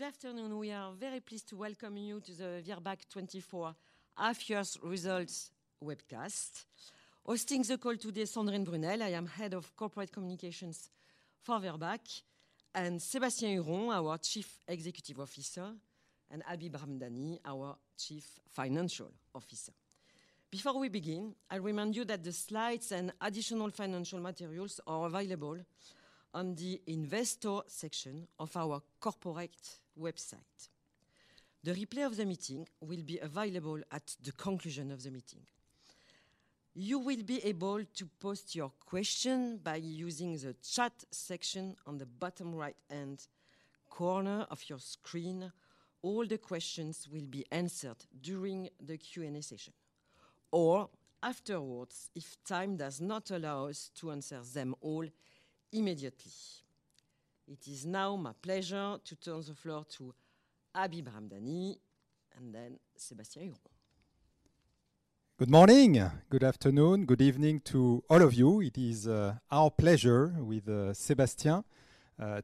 Good afternoon. We are very pleased to welcome you to the Virbac 2024 half-year's results webcast. Hosting the call today, Sandrine Brunel. I am Head of Corporate Communications for Virbac, and Sébastien Huron, our Chief Executive Officer, and Habib Ramdani, our Chief Financial Officer. Before we begin, I remind you that the slides and additional financial materials are available on the investor section of our corporate website. The replay of the meeting will be available at the conclusion of the meeting. You will be able to post your question by using the chat section on the bottom right-hand corner of your screen. All the questions will be answered during the Q&A session or afterwards if time does not allow us to answer them all immediately. It is now my pleasure to turn the floor to Habib Ramdani and then Sébastien Huron. Good morning, good afternoon, good evening to all of you. It is our pleasure with Sébastien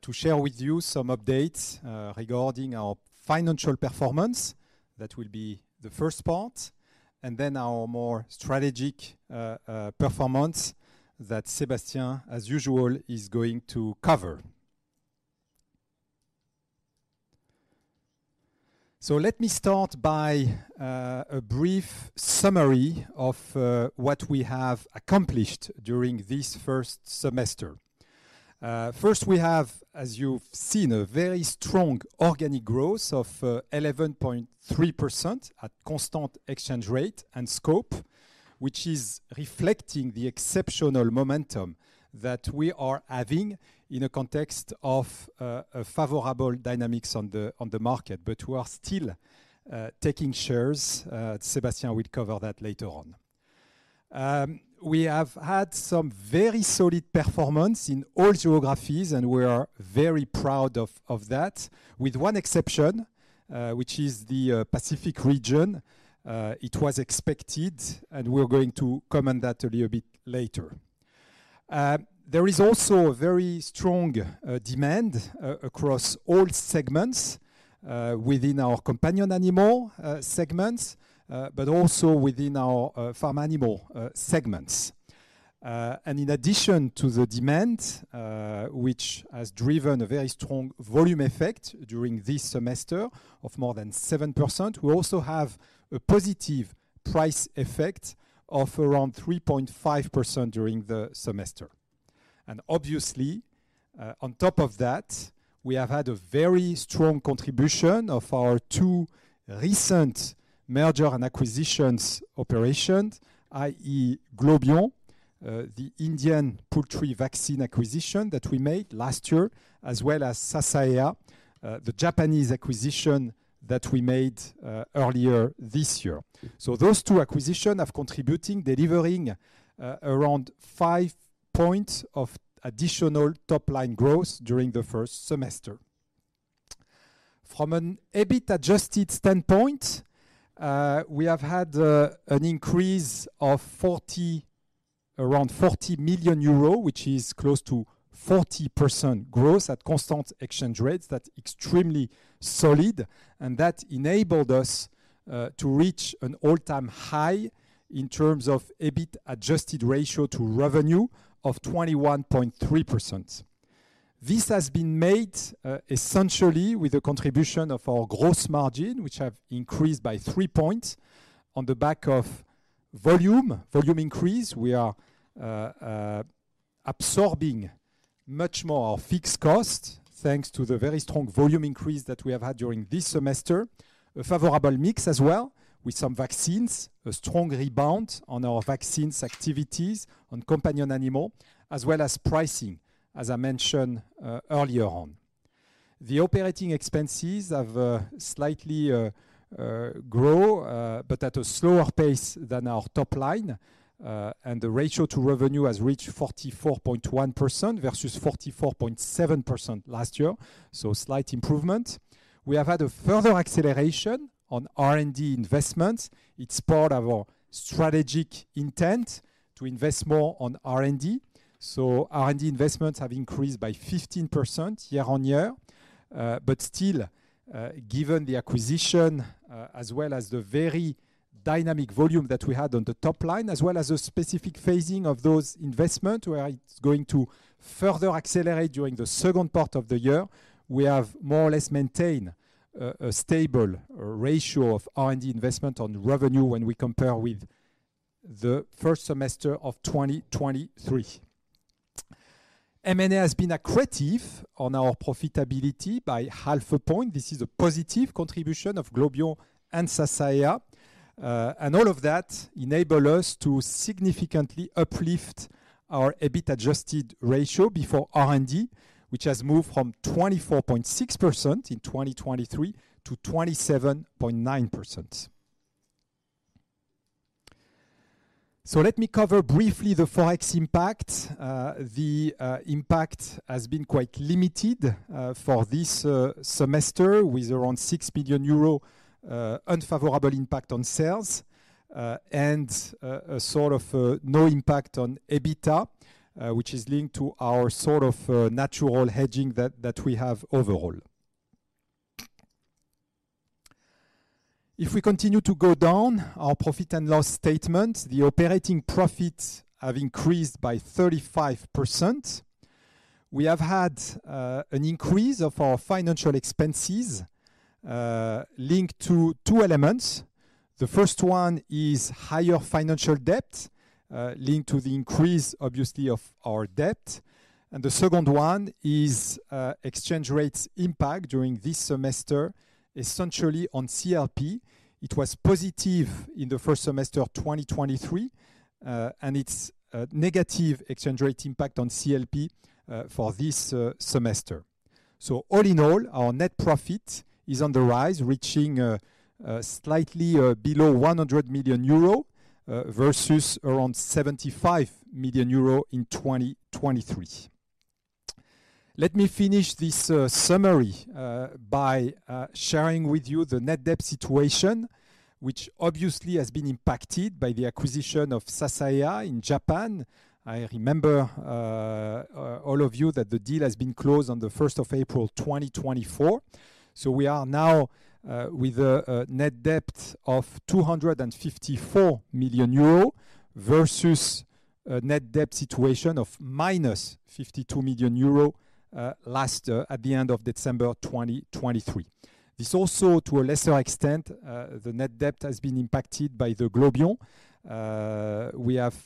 to share with you some updates regarding our financial performance. That will be the first part, and then our more strategic performance that Sébastien, as usual, is going to cover. Let me start by a brief summary of what we have accomplished during this first semester. First, we have, as you've seen, a very strong organic growth of 11.3% at constant exchange rate and scope, which is reflecting the exceptional momentum that we are having in a context of a favorable dynamics on the market, but we are still taking shares. Sébastien will cover that later on. We have had some very solid performance in all geographies, and we are very proud of that, with one exception, which is the Pacific region. It was expected, and we're going to comment that a little bit later. There is also a very strong demand across all segments, within our companion animal segments, but also within our farm animal segments. And in addition to the demand, which has driven a very strong volume effect during this semester of more than 7%, we also have a positive price effect of around 3.5% during the semester. And obviously, on top of that, we have had a very strong contribution of our two recent merger and acquisitions operations, i.e., Globion, the Indian poultry vaccine acquisition that we made last year, as well as Sasaeah, the Japanese acquisition that we made, earlier this year. So those two acquisition are contributing, delivering, around five points of additional top-line growth during the first semester. From an EBIT adjusted standpoint, we have had, an increase of around 40 million euro, which is close to 40% growth at constant exchange rates. That's extremely solid, and that enabled us, to reach an all-time high in terms of EBIT adjusted ratio to revenue of 21.3%. This has been made, essentially with the contribution of our gross margin, which have increased by three points on the back of volume increase. We are absorbing much more fixed cost, thanks to the very strong volume increase that we have had during this semester. A favorable mix as well with some vaccines, a strong rebound on our vaccines activities on companion animal, as well as pricing, as I mentioned earlier on. The operating expenses have slightly grown, but at a slower pace than our top line, and the ratio to revenue has reached 44.1% versus 44.7% last year, so slight improvement. We have had a further acceleration on R&D investments. It's part of our strategic intent to invest more on R&D. R&D investments have increased by 15% year on year. But still, given the acquisition, as well as the very dynamic volume that we had on the top line, as well as the specific phasing of those investment, where it's going to further accelerate during the second part of the year, we have more or less maintained a stable ratio of R&D investment on revenue when we compare with the first semester of 2023. M&A has been accretive on our profitability by half a point. This is a positive contribution of Globion and Sasaeah. And all of that enable us to significantly uplift our EBIT Adjusted ratio before R&D, which has moved from 24.6% in 2023 to 27.9%. So let me cover briefly the Forex impact. The impact has been quite limited for this semester, with around 6 billion euro unfavorable impact on sales, and a sort of no impact on EBITDA, which is linked to our sort of natural hedging that we have overall. If we continue to go down our profit and loss statement, the operating profits have increased by 35%. We have had an increase of our financial expenses linked to two elements. The first one is higher financial debt linked to the increase, obviously, of our debt. And the second one is exchange rates impact during this semester, essentially on CLP. It was positive in the first semester of 2023, and it's a negative exchange rate impact on CLP for this semester. All in all, our net profit is on the rise, reaching slightly below 100 million euro, versus around 75 million euro in 2023. Let me finish this summary by sharing with you the net debt situation, which obviously has been impacted by the acquisition of Sasaeah in Japan. I remind all of you that the deal has been closed on the first of April 2024. So we are now with a net debt of 254 million euro, versus a net debt situation of minus 52 million euro last at the end of December 2023. This also, to a lesser extent, the net debt has been impacted by the Globion. We have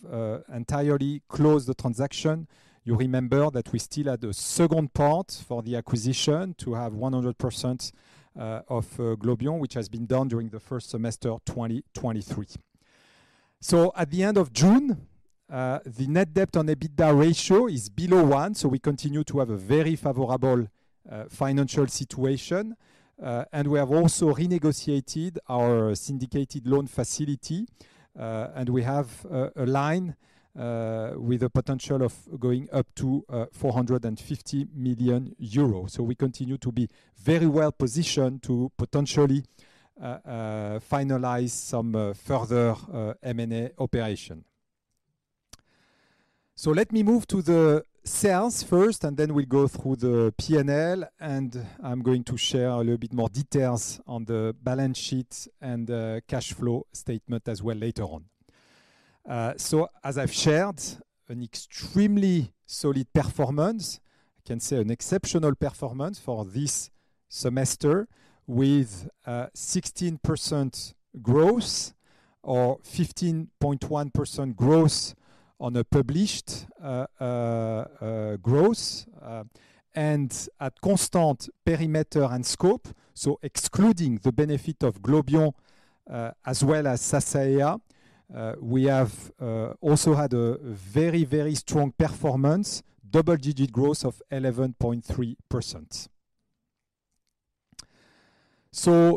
entirely closed the transaction. You remember that we still had a second part for the acquisition to have 100% of Globion, which has been done during the first semester of 2023. At the end of June, the net debt on EBITDA ratio is below one, so we continue to have a very favorable financial situation. We have also renegotiated our syndicated loan facility, and we have a line with a potential of going up to 450 million euros. We continue to be very well positioned to potentially finalize some further M&A operation. Let me move to the sales first, and then we'll go through the P&L, and I'm going to share a little bit more details on the balance sheet and cash flow statement as well later on. So as I've shared, an extremely solid performance. I can say an exceptional performance for this semester, with 16% growth or 15.1% growth on a published growth and at constant perimeter and scope. Excluding the benefit of Globion, as well as Sasaeah, we have also had a very, very strong performance, double-digit growth of 11.3%.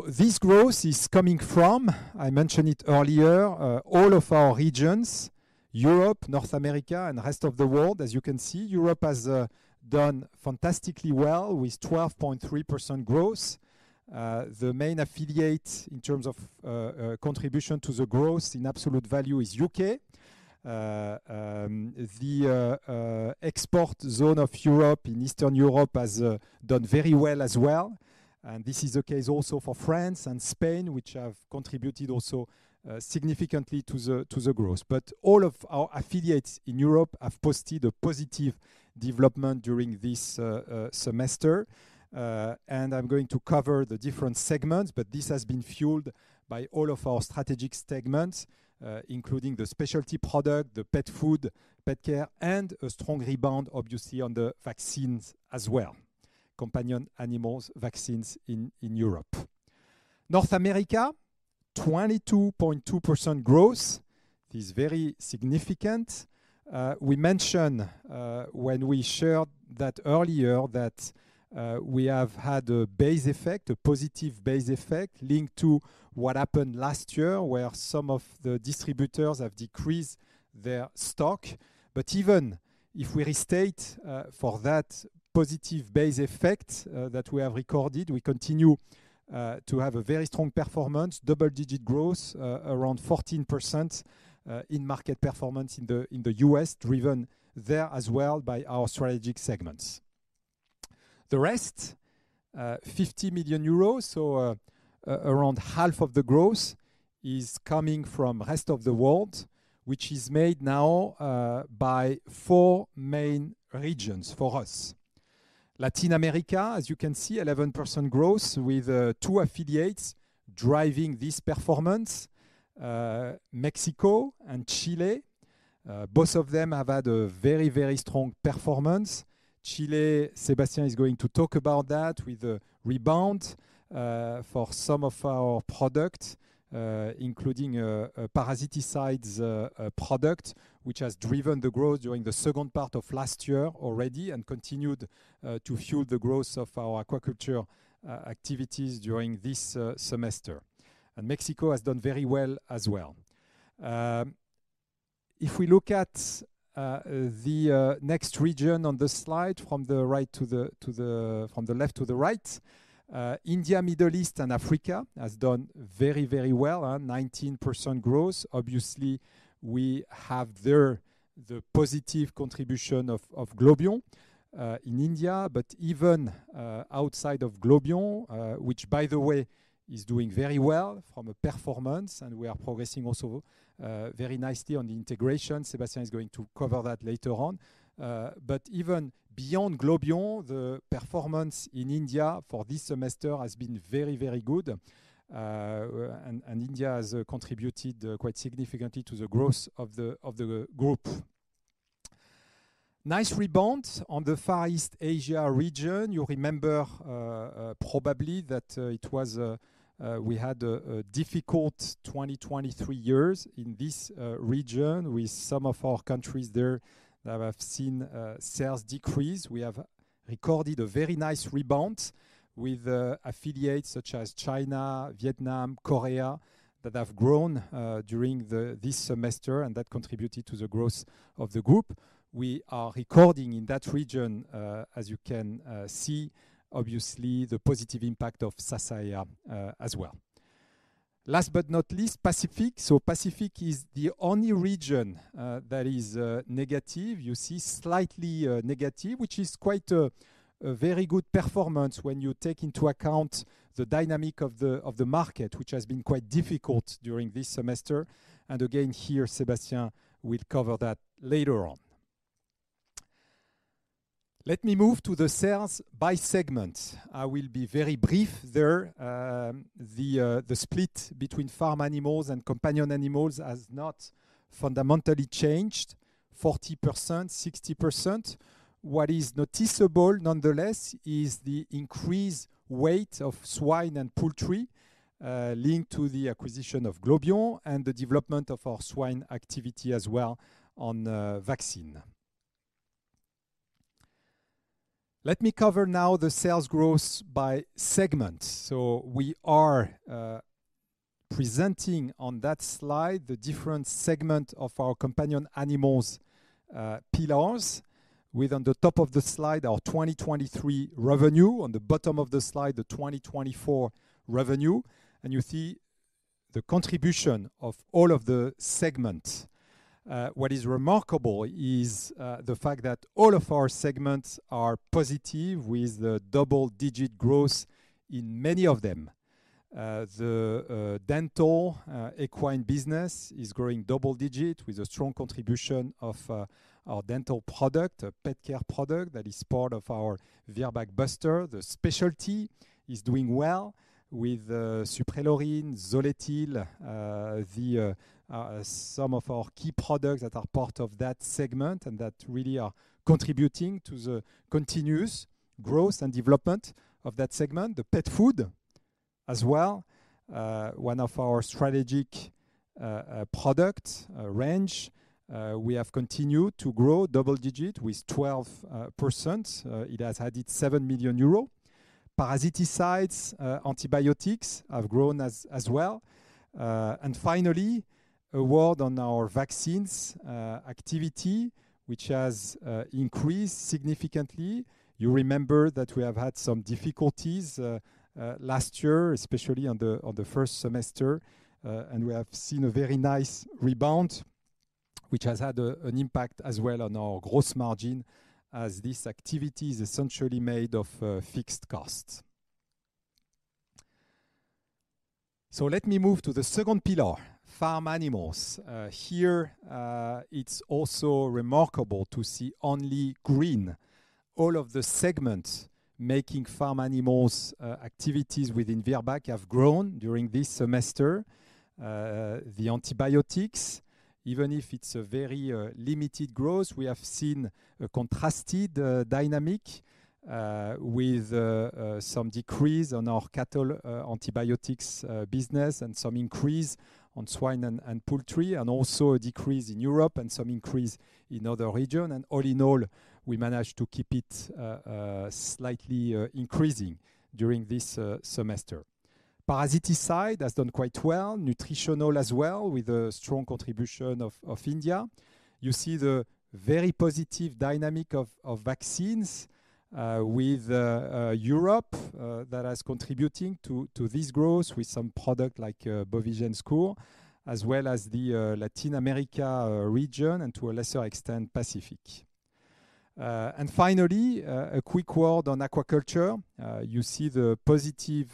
This growth is coming from, I mentioned it earlier, all of our regions, Europe, North America, and the rest of the world. As you can see, Europe has done fantastically well with 12.3% growth. The main affiliate in terms of contribution to the growth in absolute value is UK. The export zone of Europe in Eastern Europe has done very well as well, and this is the case also for France and Spain, which have contributed also significantly to the growth. But all of our affiliates in Europe have posted a positive development during this semester. I'm going to cover the different segments, but this has been fueled by all of our strategic segments, including the specialty product, the pet food, pet care, and a strong rebound, obviously, on the vaccines as well. Companion animals, vaccines in Europe. North America, 22.2% growth is very significant. We mentioned, when we shared that earlier, that we have had a base effect, a positive base effect, linked to what happened last year, where some of the distributors have decreased their stock. Even if we restate for that positive base effect that we have recorded, we continue to have a very strong performance, double-digit growth around 14% in market performance in the U.S., driven there as well by our strategic segments. The rest, 50 million euros, so around half of the growth is coming from Rest of the World, which is made now by four main regions for us. Latin America, as you can see, 11% growth, with two affiliates driving this performance, Mexico and Chile. Both of them have had a very, very strong performance. Chile, Sébastien is going to talk about that, with a rebound for some of our products, including a parasiticides product, which has driven the growth during the second part of last year already, and continued to fuel the growth of our aquaculture activities during this semester. Mexico has done very well as well. If we look at the next region on the slide from the left to the right, India, Middle East, and Africa has done very, very well, 19% growth. Obviously, we have there the positive contribution of Globion in India, but even outside of Globion, which by the way, is doing very well from a performance, and we are progressing also very nicely on the integration. Sébastien is going to cover that later on, but even beyond Globion, the performance in India for this semester has been very, very good, and India has contributed quite significantly to the growth of the group. Nice rebound on the Far East Asia region. You remember probably that it was we had a difficult 2023 in this region, with some of our countries there that have seen sales decrease. We have recorded a very nice rebound with affiliates such as China, Vietnam, Korea, that have grown during this semester, and that contributed to the growth of the group. We are recording in that region, as you can see, obviously the positive impact of Sasaeah as well. Last but not least, Pacific. Pacific is the only region that is negative. You see, slightly negative, which is quite a very good performance when you take into account the dynamic of the market, which has been quite difficult during this semester. And again, here, Sébastien will cover that later on. Let me move to the sales by segment. I will be very brief there. The split between farm animals and companion animals has not fundamentally changed: 40%, 60%. What is noticeable, nonetheless, is the increased weight of swine and poultry linked to the acquisition of Globion and the development of our swine activity as well on the vaccine. Let me cover now the sales growth by segment. We are presenting on that slide the different segments of our companion animals pillars, with on the top of the slide our 2023 revenue, on the bottom of the slide the 2024 revenue. You see the contribution of all of the segments. What is remarkable is the fact that all of our segments are positive, with the double-digit growth in many of them. The dental equine business is growing double digit, with a strong contribution of our dental product, a pet care product that is part of our Virbac blockbuster. The specialty is doing well with Suprelorin, Zoletil, some of our key products that are part of that segment and that really are contributing to the continuous growth and development of that segment. The pet food as well, one of our strategic product range, we have continued to grow double digit with 12%. It has had its 7 million euro. Parasiticides, antibiotics have grown as well. And finally, a word on our vaccines activity, which has increased significantly. You remember that we have had some difficulties last year, especially on the first semester, and we have seen a very nice rebound, which has had an impact as well on our gross margin, as this activity is essentially made of fixed costs. So let me move to the second pillar, farm animals. Here, it's also remarkable to see only green. All of the segments making farm animals' activities within Virbac have grown during this semester. The antibiotics, even if it's a very limited growth, we have seen a contrasted dynamic with some decrease on our cattle antibiotics business and some increase on swine and poultry, and also a decrease in Europe and some increase in other region. All in all, we managed to keep it slightly increasing during this semester. Parasiticide has done quite well. Nutritional as well, with a strong contribution of India. You see the very positive dynamic of vaccines with Europe that has contributing to this growth with some product like Bovigen Scour, as well as the Latin America region and to a lesser extent, Pacific. Finally, a quick word on aquaculture. You see the positive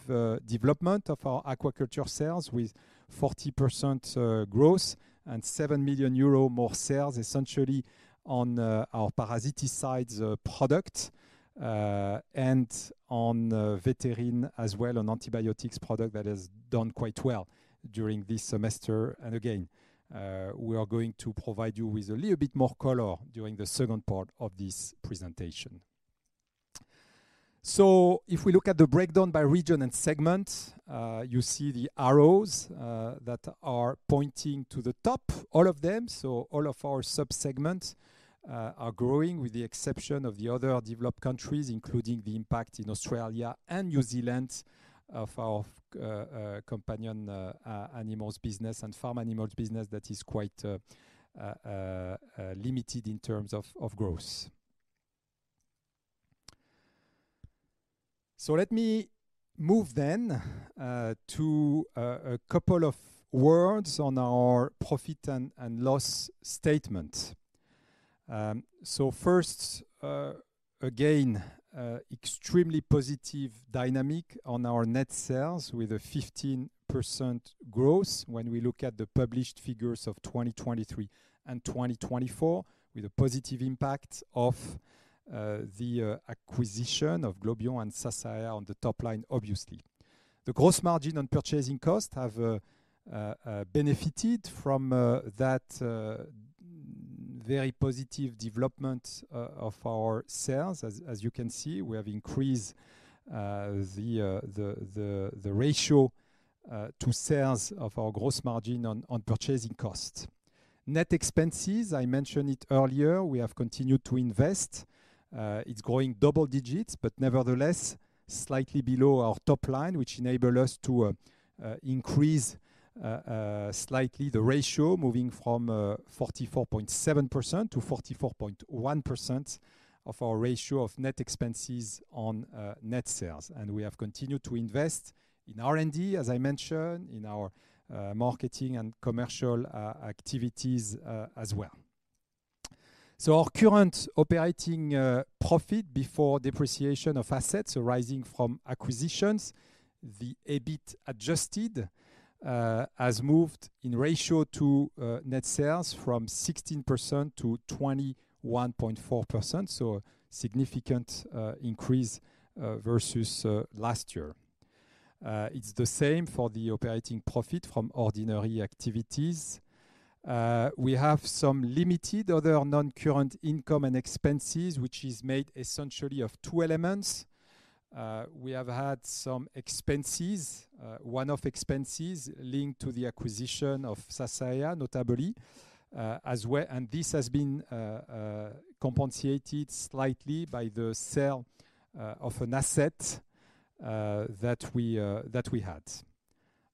development of our aquaculture sales with 40% growth and seven million EUR more sales, essentially on our parasiticides product and on Vetrimoxin as well, an antibiotics product that has done quite well during this semester. And again, we are going to provide you with a little bit more color during the second part of this presentation. So if we look at the breakdown by region and segment, you see the arrows that are pointing to the top, all of them. So all of our sub-segments are growing, with the exception of the other developed countries, including the impact in Australia and New Zealand, of our companion animals business and farm animals business that is quite limited in terms of growth. So let me move then to a couple of words on our profit and loss statement. First, again, extremely positive dynamic on our net sales with a 15% growth when we look at the published figures of 2023 and 2024, with a positive impact of the acquisition of Globion and Sasaeah on the top line, obviously. The gross margin on purchasing costs have benefited from that very positive development of our sales. As you can see, we have increased the ratio to sales of our gross margin on purchasing costs. Net expenses, I mentioned it earlier, we have continued to invest. It's growing double digits, but nevertheless, slightly below our top line, which enable us to increase slightly the ratio, moving from 44.7% to 44.1% of our ratio of net expenses on net sales, and we have continued to invest in R&D, as I mentioned, in our marketing and commercial activities as well, so our current operating profit before depreciation of assets arising from acquisitions, the EBIT adjusted, has moved in ratio to net sales from 16% to 21.4%, so a significant increase versus last year. It's the same for the operating profit from ordinary activities. We have some limited other non-current income and expenses, which is made essentially of two elements. We have had some expenses, one-off expenses linked to the acquisition of Sasaeah, notably, as we... And this has been, uh, compensated slightly by the sale, of an asset, that we, that we had.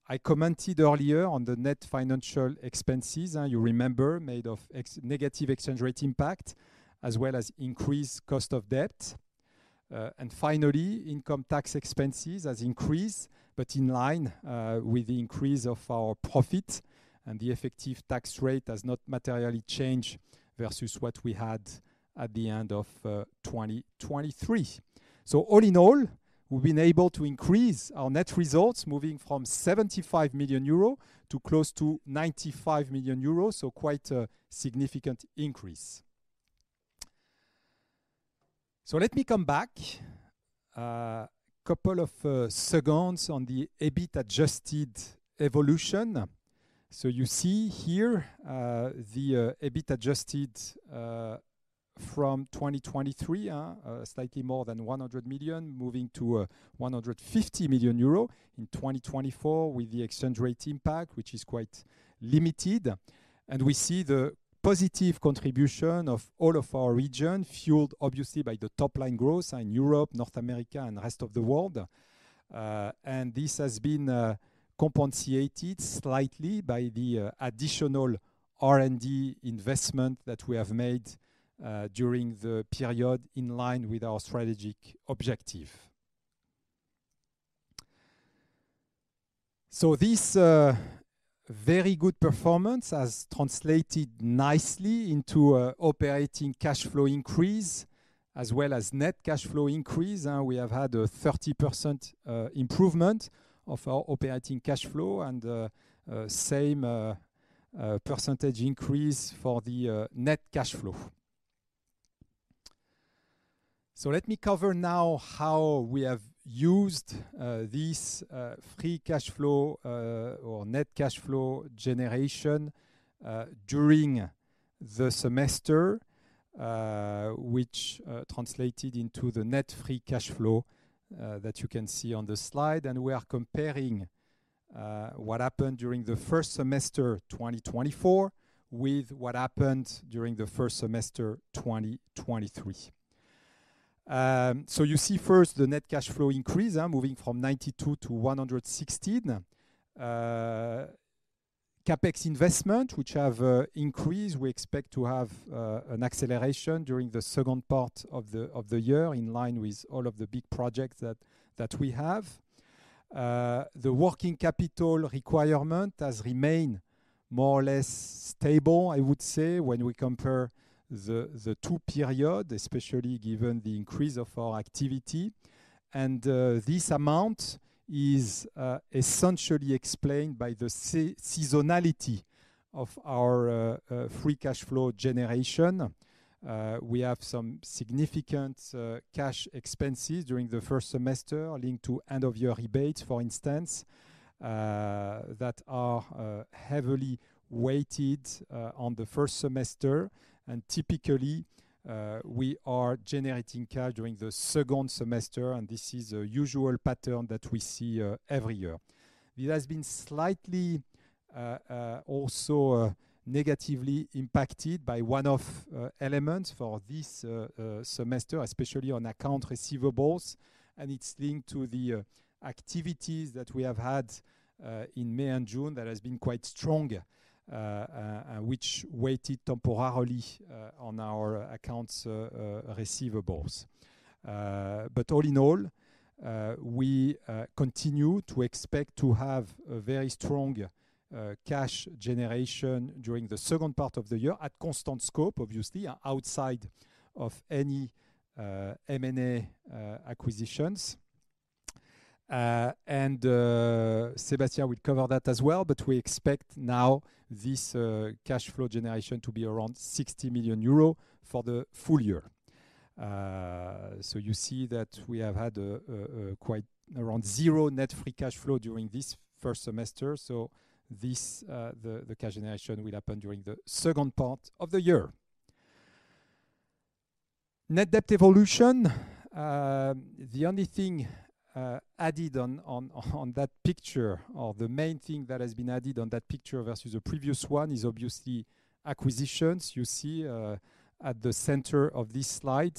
I commented earlier on the net financial expenses, you remember, made of negative exchange rate impact, as well as increased cost of debt. And finally, income tax expenses has increased, but in line, with the increase of our profit, and the effective tax rate has not materially changed versus what we had at the end of 2023. So all in all, we've been able to increase our net results, moving from 75 million euro to close to 95 million euro, so quite a significant increase. So let me come back, couple of seconds on the EBIT Adjusted evolution. So you see here, the EBIT Adjusted from 2023, slightly more than 100 million, moving to 150 million euro in 2024, with the exchange rate impact, which is quite limited. And we see the positive contribution of all of our region, fueled obviously by the top-line growth in Europe, North America, and the rest of the world. And this has been compensated slightly by the additional R&D investment that we have made during the period, in line with our strategic objective. So this very good performance has translated nicely into operating cash flow increase, as well as net cash flow increase. We have had a 30% improvement of our operating cash flow and same percentage increase for the net cash flow. So let me cover now how we have used this free cash flow or net cash flow generation during the semester, which translated into the net free cash flow that you can see on the slide, and we are comparing what happened during the first semester, twenty twenty-four, with what happened during the first semester, twenty twenty-three, so you see first the net cash flow increase moving from 92 to 116. CapEx investment, which have increased. We expect to have an acceleration during the second part of the year, in line with all of the big projects that we have. The working capital requirement has remained more or less stable, I would say, when we compare the two period, especially given the increase of our activity. This amount is essentially explained by the seasonality of our free cash flow generation. We have some significant cash expenses during the first semester linked to end-of-year rebates, for instance, that are heavily weighted on the first semester. Typically we are generating cash during the second semester, and this is a usual pattern that we see every year. It has been slightly also negatively impacted by one-off elements for this semester, especially on accounts receivable, and it's linked to the activities that we have had in May and June that has been quite strong, which weighed temporarily on our accounts receivable. But all in all, we continue to expect to have a very strong cash generation during the second part of the year, at constant scope, obviously, outside of any M&A acquisitions. And, Sebastian will cover that as well, but we expect now this cash flow generation to be around 60 million euros for the full year. So you see that we have had quite around zero net free cash flow during this first semester. So this, the cash generation will happen during the second part of the year. Net debt evolution, the only thing added on that picture, or the main thing that has been added on that picture versus the previous one, is obviously acquisitions. You see, at the center of this slide,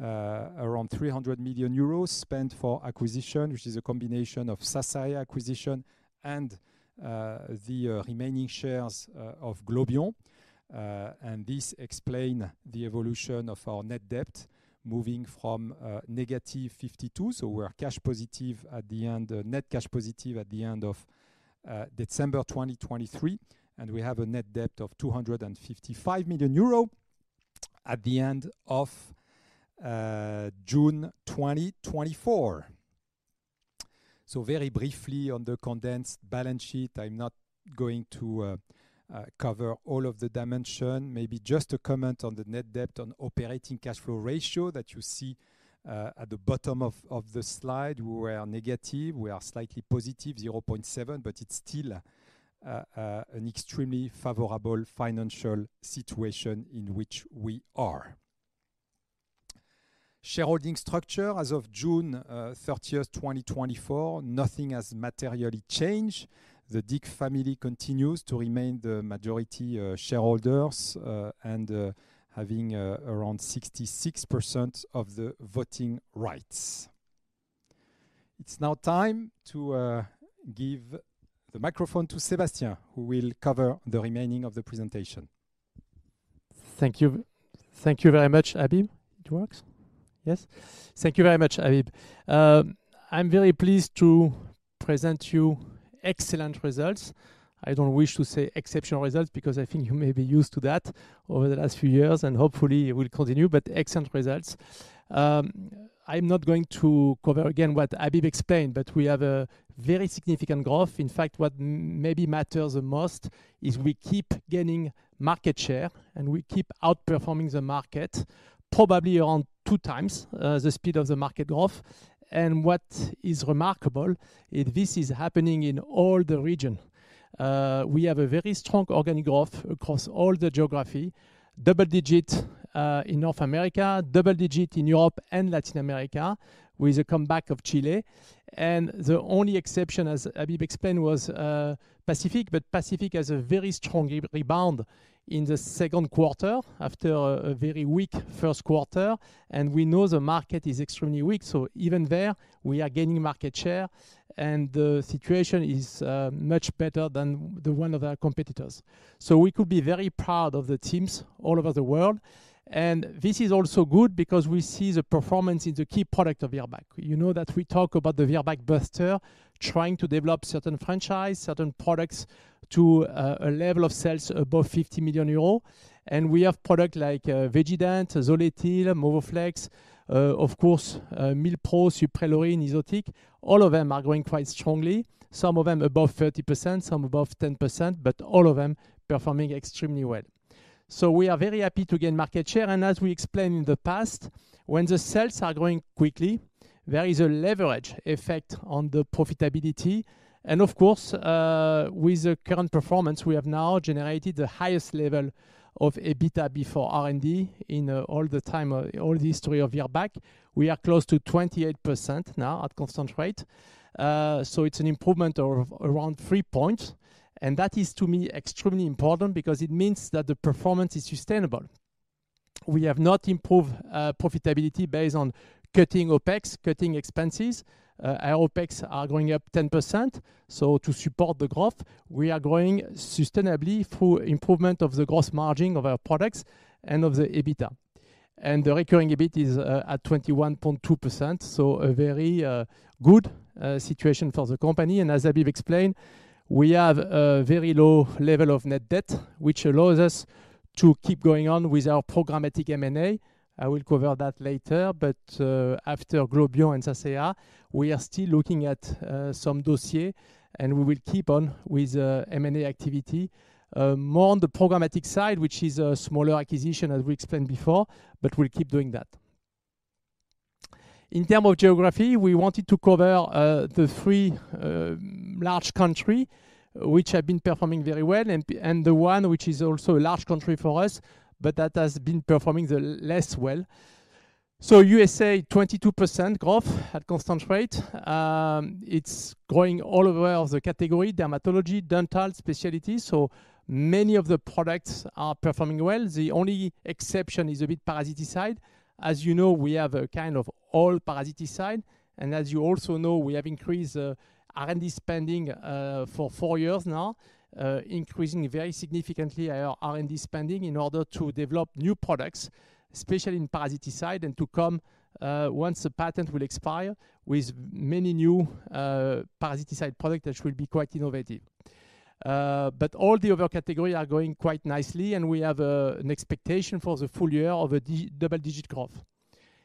around 300 million euros spent for acquisition, which is a combination of Sasa acquisition and the remaining shares of Globion. And this explain the evolution of our net debt, moving from negative 52. So we are cash positive at the end, net cash positive at the end of December 2023, and we have a net debt of 255 million euro at the end of June 2024. So very briefly on the condensed balance sheet, I'm not going to cover all of the dimension. Maybe just to comment on the net debt on operating cash flow ratio that you see at the bottom of the slide. We were negative, we are slightly positive, zero point seven, but it's still an extremely favorable financial situation in which we are. Shareholding structure. As of June thirtieth, 2024, nothing has materially changed. The Dick family continues to remain the majority shareholders and having around 66% of the voting rights. It's now time to give the microphone to Sébastien, who will cover the remaining of the presentation. Thank you. Thank you very much, Habib. It works? Yes. Thank you very much, Habib. I'm very pleased to present you excellent results. I don't wish to say exceptional results, because I think you may be used to that over the last few years, and hopefully it will continue. But excellent results. I'm not going to cover again what Habib explained, but we have a very significant growth. In fact, what maybe matters the most is we keep gaining market share, and we keep outperforming the market, probably around two times the speed of the market growth. What is remarkable is this is happening in all the region. We have a very strong organic growth across all the geography. Double-digit in North America, double-digit in Europe and Latin America, with the comeback of Chile. The only exception, as Habib explained, was Pacific. Pacific has a very strong rebound in the second quarter, after a very weak first quarter. We know the market is extremely weak, so even there, we are gaining market share, and the situation is much better than the one of our competitors. We could be very proud of the teams all over the world. This is also good because we see the performance in the key product of Virbac. You know that we talk about the Virbac buster, trying to develop certain franchise, certain products, to a level of sales above 50 million euros. We have product like VeggieDent, Zoletil, Movoflex, of course, Milpro, Suprelorin, Evicto, all of them are growing quite strongly. Some of them above 30%, some above 10%, but all of them performing extremely well. We are very happy to gain market share, and as we explained in the past, when the sales are growing quickly, there is a leverage effect on the profitability. Of course, with the current performance, we have now generated the highest level of EBITDA before R&D in all the time, all the history of Virbac. We are close to 28% now at constant rate. It's an improvement of around three points, and that is, to me, extremely important because it means that the performance is sustainable. We have not improved profitability based on cutting OpEx, cutting expenses. Our OpEx are going up 10%, so to support the growth, we are growing sustainably through improvement of the gross margin of our products and of the EBITDA. And the recurring EBIT is at 21.2%, so a very good situation for the company. And as Habib explained, we have a very low level of net debt, which allows us to keep going on with our programmatic M&A. I will cover that later, but after Globion and Sasaeah, we are still looking at some dossier, and we will keep on with M&A activity. More on the programmatic side, which is a smaller acquisition, as we explained before, but we'll keep doing that. In terms of geography, we wanted to cover the three large countries, which have been performing very well, and the one which is also a large country for us, but that has been performing less well. So USA, 22% growth at constant rate. It's growing all over the category, dermatology, dental, specialty, so many of the products are performing well. The only exception is a bit in parasiticide. As you know, we have kind of old parasiticide, and as you also know, we have increased R&D spending for four years now. Increasing very significantly our R&D spending in order to develop new products, especially in parasiticide, and to come once the patent will expire, with many new parasiticide products, which will be quite innovative. But all the other categories are going quite nicely, and we have an expectation for the full year of a double-digit growth.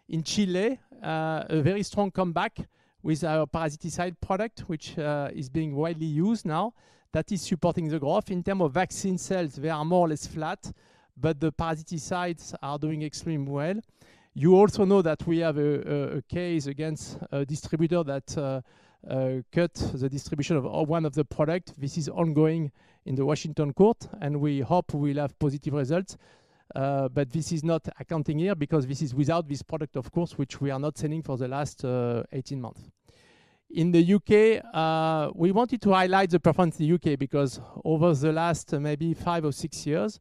In Chile, a very strong comeback with our parasiticide product, which is being widely used now. That is supporting the growth. In terms of vaccine sales, they are more or less flat, but the parasiticides are doing extremely well. You also know that we have a case against a distributor that cut the distribution of one of the product. This is ongoing in the Washington court, and we hope we'll have positive results. But this is not an accounting year, because this is without this product, of course, which we are not selling for the last 18 months. In the U.K., we wanted to highlight the performance in the U.K., because over the last maybe five or six years,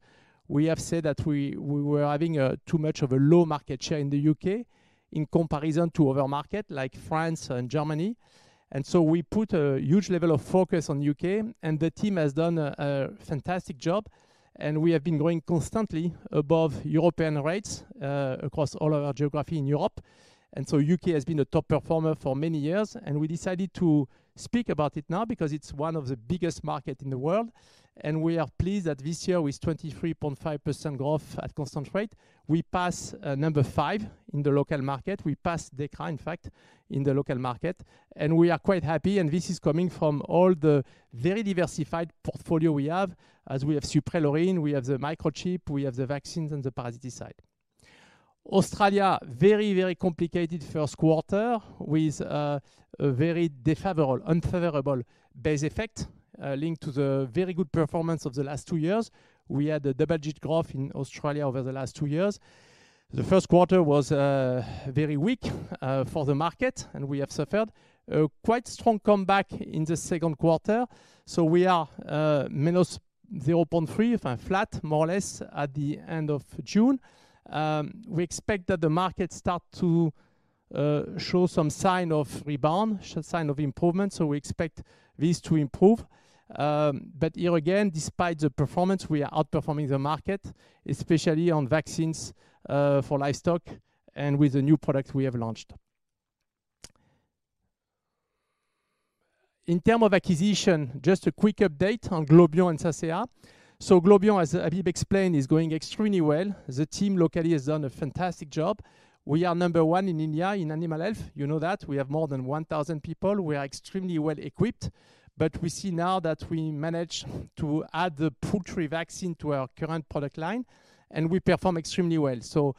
we have said that we were having too much of a low market share in the U.K. in comparison to other market, like France and Germany. And so we put a huge level of focus on U.K., and the team has done a fantastic job, and we have been growing constantly above European rates across all of our geography in Europe. And so U.K. has been a top performer for many years, and we decided to speak about it now because it's one of the biggest market in the world. And we are pleased that this year, with 23.5% growth at constant rate, we pass number five in the local market. We pass Dechra, in fact, in the local market, and we are quite happy, and this is coming from all the very diversified portfolio we have, as we have Suprelorin, we have the microchip, we have the vaccines and the parasiticide. Australia, very, very complicated first quarter with a very unfavorable base effect, linked to the very good performance of the last two years. We had a double-digit growth in Australia over the last two years. The first quarter was very weak for the market, and we have suffered. A quite strong comeback in the second quarter, so we are minus 0.3, if I'm flat, more or less, at the end of June. We expect that the market start to show some sign of rebound, sign of improvement, so we expect this to improve. But here again, despite the performance, we are outperforming the market, especially on vaccines, for livestock and with the new product we have launched. In terms of acquisition, just a quick update on Globion and Sasaeah. So Globion, as Habib explained, is going extremely well. The team locally has done a fantastic job. We are number one in India, in Animal Health. You know that. We have more than one thousand people. We are extremely well equipped, but we see now that we manage to add the poultry vaccine to our current product line, and we perform extremely well. So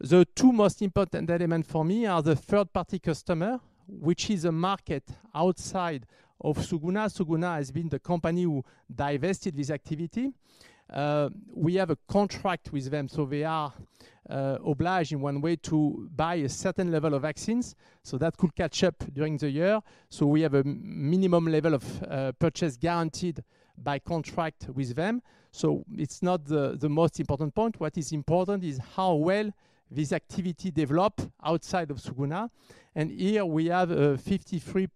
the two most important elements for me are the third-party customer, which is a market outside of Suguna. Suguna has been the company who divested this activity. We have a contract with them, so we are obliged in one way to buy a certain level of vaccines, so that could catch up during the year. So we have a minimum level of purchase guaranteed by contract with them, so it's not the most important point. What is important is how well this activity develop outside of Suguna. And here we have 53%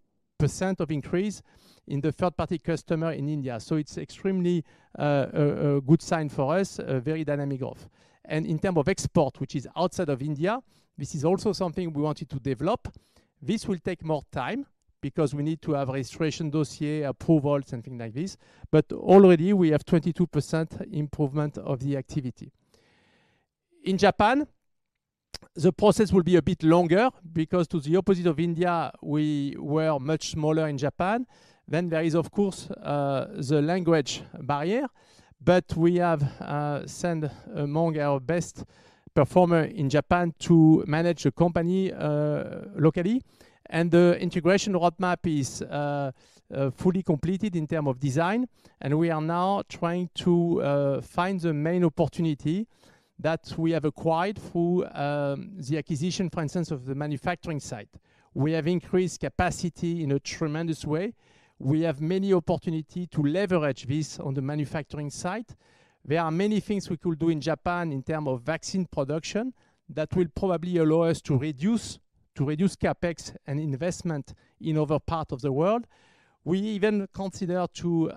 increase in the third-party customer in India. So it's extremely a good sign for us, a very dynamic growth. And in term of export, which is outside of India, this is also something we wanted to develop. This will take more time because we need to have a registration dossier, approvals, and things like this, but already we have 22% improvement of the activity. In Japan, the process will be a bit longer because, to the opposite of India, we were much smaller in Japan. Then there is, of course, the language barrier, but we have sent one of our best performers in Japan to manage the company locally. And the integration roadmap is fully completed in terms of design, and we are now trying to find the main opportunities that we have acquired through the acquisition, for instance, of the manufacturing site. We have increased capacity in a tremendous way. We have many opportunities to leverage this on the manufacturing site. There are many things we could do in Japan in terms of vaccine production that will probably allow us to reduce CapEx and investment in other parts of the world. We even consider to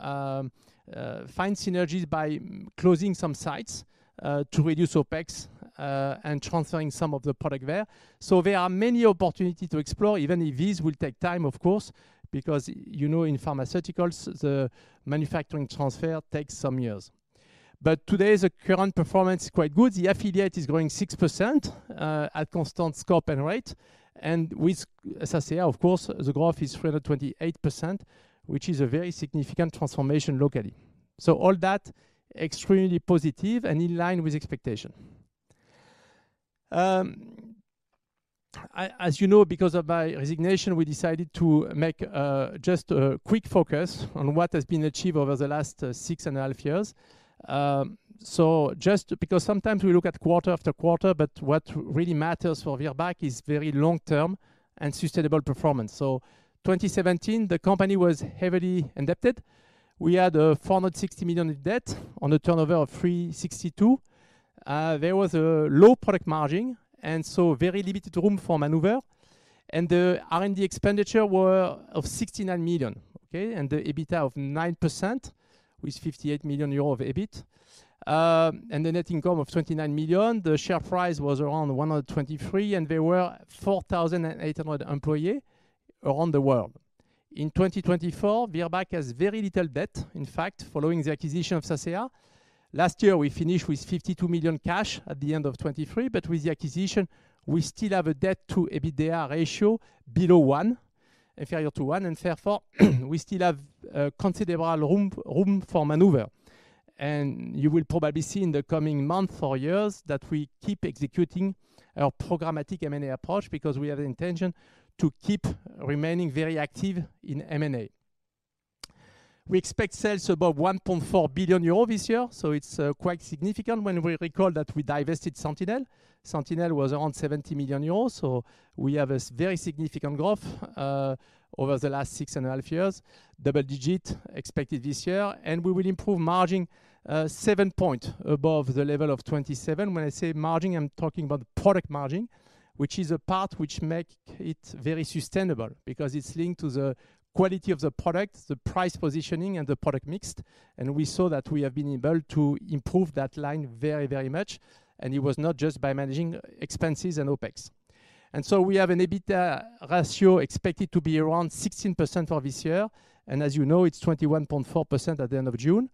find synergies by closing some sites to reduce OpEx and transferring some of the product there. So there are many opportunity to explore, even if this will take time, of course, because you know, in pharmaceuticals, the manufacturing transfer takes some years. But today, the current performance is quite good. The affiliate is growing 6% at constant scope and rate, and with Sasaeah, of course, the growth is 328%, which is a very significant transformation locally. So all that, extremely positive and in line with expectation. I... As you know, because of my resignation, we decided to make just a quick focus on what has been achieved over the last six and a half years. Just because sometimes we look at quarter after quarter, but what really matters for Virbac is very long-term and sustainable performance. In 2017, the company was heavily indebted. We had 460 million in debt on a turnover of 362 million. There was a low product margin, and so very limited room for maneuver, and the R&D expenditure were of 69 million, okay? And the EBITDA of 9%, with 58 million euro of EBIT, and the net income of 29 million. The share price was around 123, and there were 4,800 employees around the world. In 2024, Virbac has very little debt. In fact, following the acquisition of Ceva last year, we finished with 52 million cash at the end of 2023, but with the acquisition, we still have a debt-to-EBITDA ratio below one, inferior to one, and therefore, we still have a considerable room for maneuver. You will probably see in the coming months or years that we keep executing our programmatic M&A approach because we have the intention to keep remaining very active in M&A. We expect sales above 1.4 billion euros this year, so it's quite significant when we recall that we divested Sentinel. Sentinel was around 70 million euros, so we have a very significant growth over the last six and a half years. Double digit expected this year, and we will improve margin seven point above the level of twenty-seven. When I say margin, I'm talking about product margin, which is a part which make it very sustainable because it's linked to the quality of the product, the price positioning, and the product mix. And we saw that we have been able to improve that line very, very much, and it was not just by managing expenses and OpEx. And so we have an EBITDA ratio expected to be around 16% for this year, and as you know, it's 21.4% at the end of June.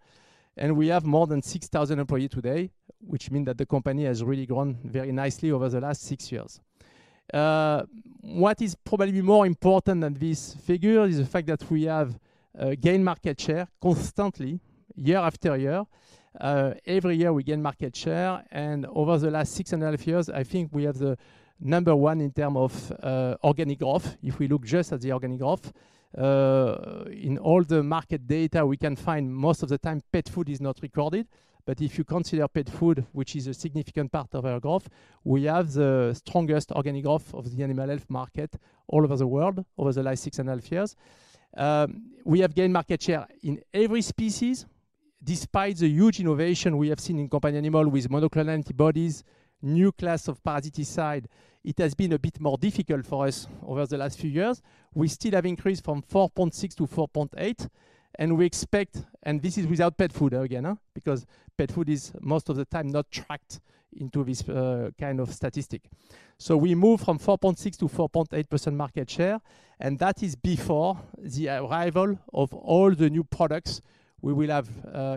And we have more than 6,000 employee today, which mean that the company has really grown very nicely over the last six years. What is probably more important than this figure is the fact that we have gained market share constantly, year after year. Every year, we gain market share, and over the last six and a half years, I think we are the number one in terms of organic growth, if we look just at the organic growth. In all the market data we can find, most of the time, pet food is not recorded, but if you consider pet food, which is a significant part of our growth, we have the strongest organic growth of the animal health market all over the world, over the last six and a half years. We have gained market share in every species, despite the huge innovation we have seen in companion animal with monoclonal antibodies, new class of parasiticide. It has been a bit more difficult for us over the last few years. We still have increased from four point six to four point eight, and we expect... And this is without pet food again, huh? Because pet food is most of the time not tracked into this kind of statistic. So we move from 4.6% to 4.8% market share, and that is before the arrival of all the new products we will have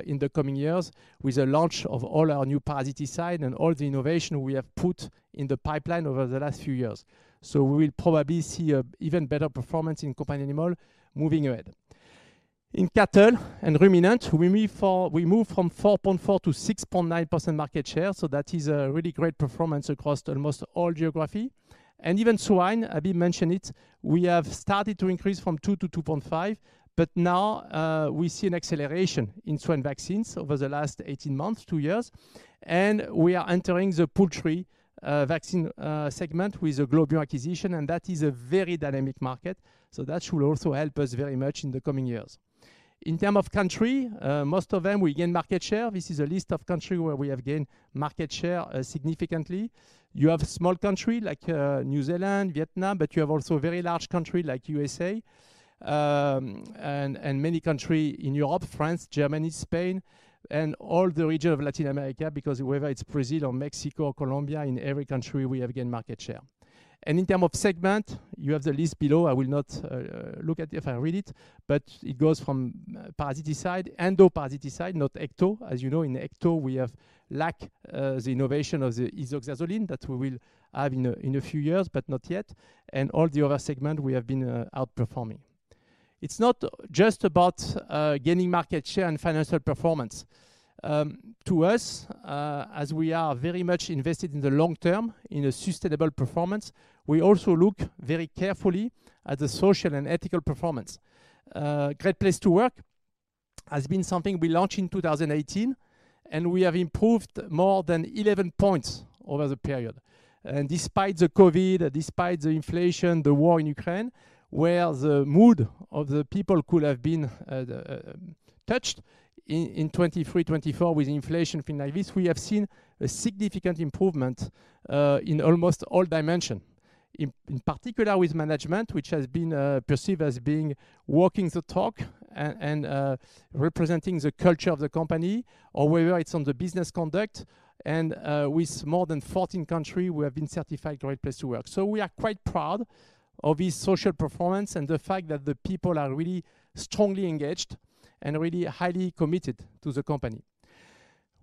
in the coming years, with the launch of all our new parasiticides and all the innovation we have put in the pipeline over the last few years. So we will probably see an even better performance in companion animal moving ahead. In cattle and ruminants, we move from 4.4% to 6.9% market share, so that is a really great performance across almost all geographies. Even swine, Abi mentioned it. We have started to increase from two to two point five, but now we see an acceleration in swine vaccines over the last eighteen months, two years. We are entering the poultry vaccine segment with the Globion acquisition, and that is a very dynamic market. So that should also help us very much in the coming years. In terms of countries, most of them, we gain market share. This is a list of countries where we have gained market share significantly. You have small countries like New Zealand, Vietnam, but you have also a very large country like USA. And many countries in Europe, France, Germany, Spain, and all the regions of Latin America, because whether it's Brazil or Mexico or Colombia, in every country, we have gained market share. In terms of segments, you have the list below. I will not look at it if I read it, but it goes from the parasite side, endoparasite side, not ecto. As you know, in ecto, we lack the innovation of the isoxazoline that we will have in a few years, but not yet, and all the other segments, we have been outperforming. It's not just about gaining market share and financial performance. To us, as we are very much invested in the long term, in a sustainable performance, we also look very carefully at the social and ethical performance. Great Place to Work has been something we launched in 2018, and we have improved more than 11 points over the period. Despite the COVID, despite the inflation, the war in Ukraine, where the mood of the people could have been the touched in 2023, 2024, with inflation, things like this, we have seen a significant improvement in almost all dimension. In particular with management, which has been perceived as being walking the talk and representing the culture of the company, or whether it is on the business conduct, and with more than 14 countries, we have been certified Great Place to Work. We are quite proud of this social performance and the fact that the people are really strongly engaged and really highly committed to the company.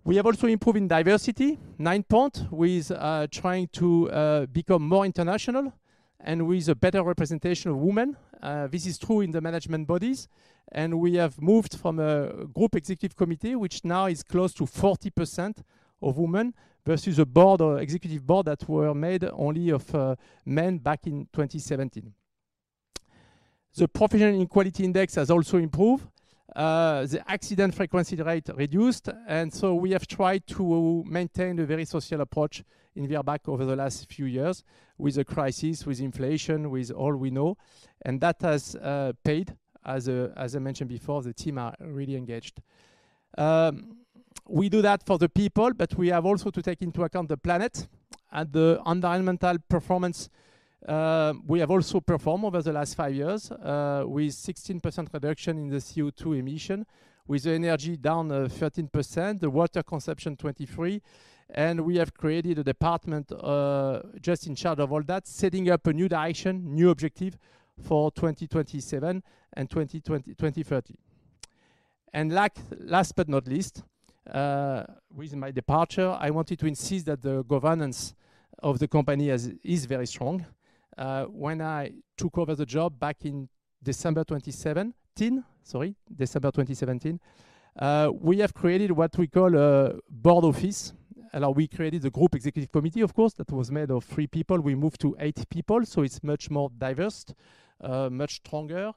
We have also improved in diversity, nine point, with trying to become more international and with a better representation of women. This is true in the management bodies, and we have moved from a group executive committee, which now is close to 40% of women, versus a board or executive board that were made only of men back in 2017. The professional inequality index has also improved. The accident frequency rate reduced, and so we have tried to maintain a very social approach in Virbac over the last few years with the crisis, with inflation, with all we know, and that has paid. As, as I mentioned before, the team are really engaged. We do that for the people, but we have also to take into account the planet and the environmental performance. We have also performed over the last five years with 16% reduction in the CO2 emission, with the energy down 13%, the water consumption 23%, and we have created a department just in charge of all that, setting up a new direction, new objective for 2027 and 2030. Last but not least, with my departure, I wanted to insist that the governance of the company is very strong. When I took over the job back in December 2017, we have created what we call a board office. Now we created the group executive committee, of course, that was made of three people. We moved to eight people, so it is much more diverse, much stronger,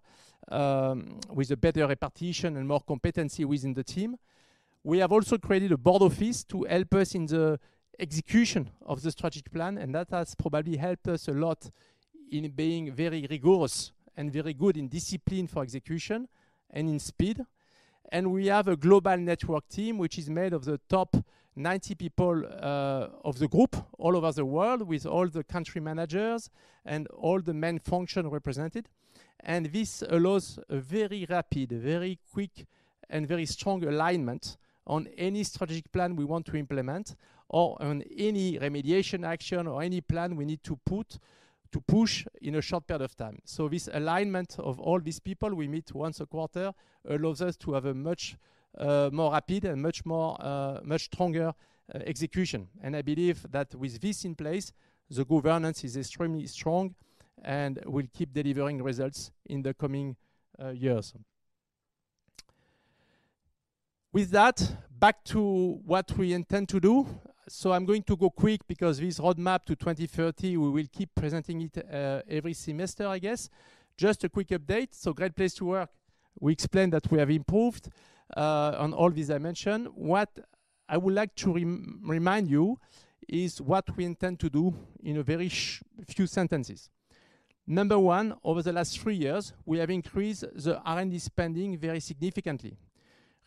with a better representation and more competency within the team. We have also created a board office to help us in the execution of the strategic plan, and that has probably helped us a lot in being very rigorous and very good in discipline for execution and in speed. And we have a global network team, which is made of the top ninety people, of the group, all over the world, with all the country managers and all the main function represented. And this allows a very rapid, very quick, and very strong alignment on any strategic plan we want to implement or on any remediation action or any plan we need to push in a short period of time. So this alignment of all these people, we meet once a quarter, allows us to have a much, more rapid and much more, much stronger, execution. I believe that with this in place, the governance is extremely strong and will keep delivering results in the coming years. With that, back to what we intend to do. I'm going to go quick because this roadmap to 2030, we will keep presenting it every semester, I guess. Just a quick update, so Great Place to Work. We explained that we have improved on all these dimensions. What I would like to remind you is what we intend to do in a very few sentences. Number one, over the last three years, we have increased the R&D spending very significantly.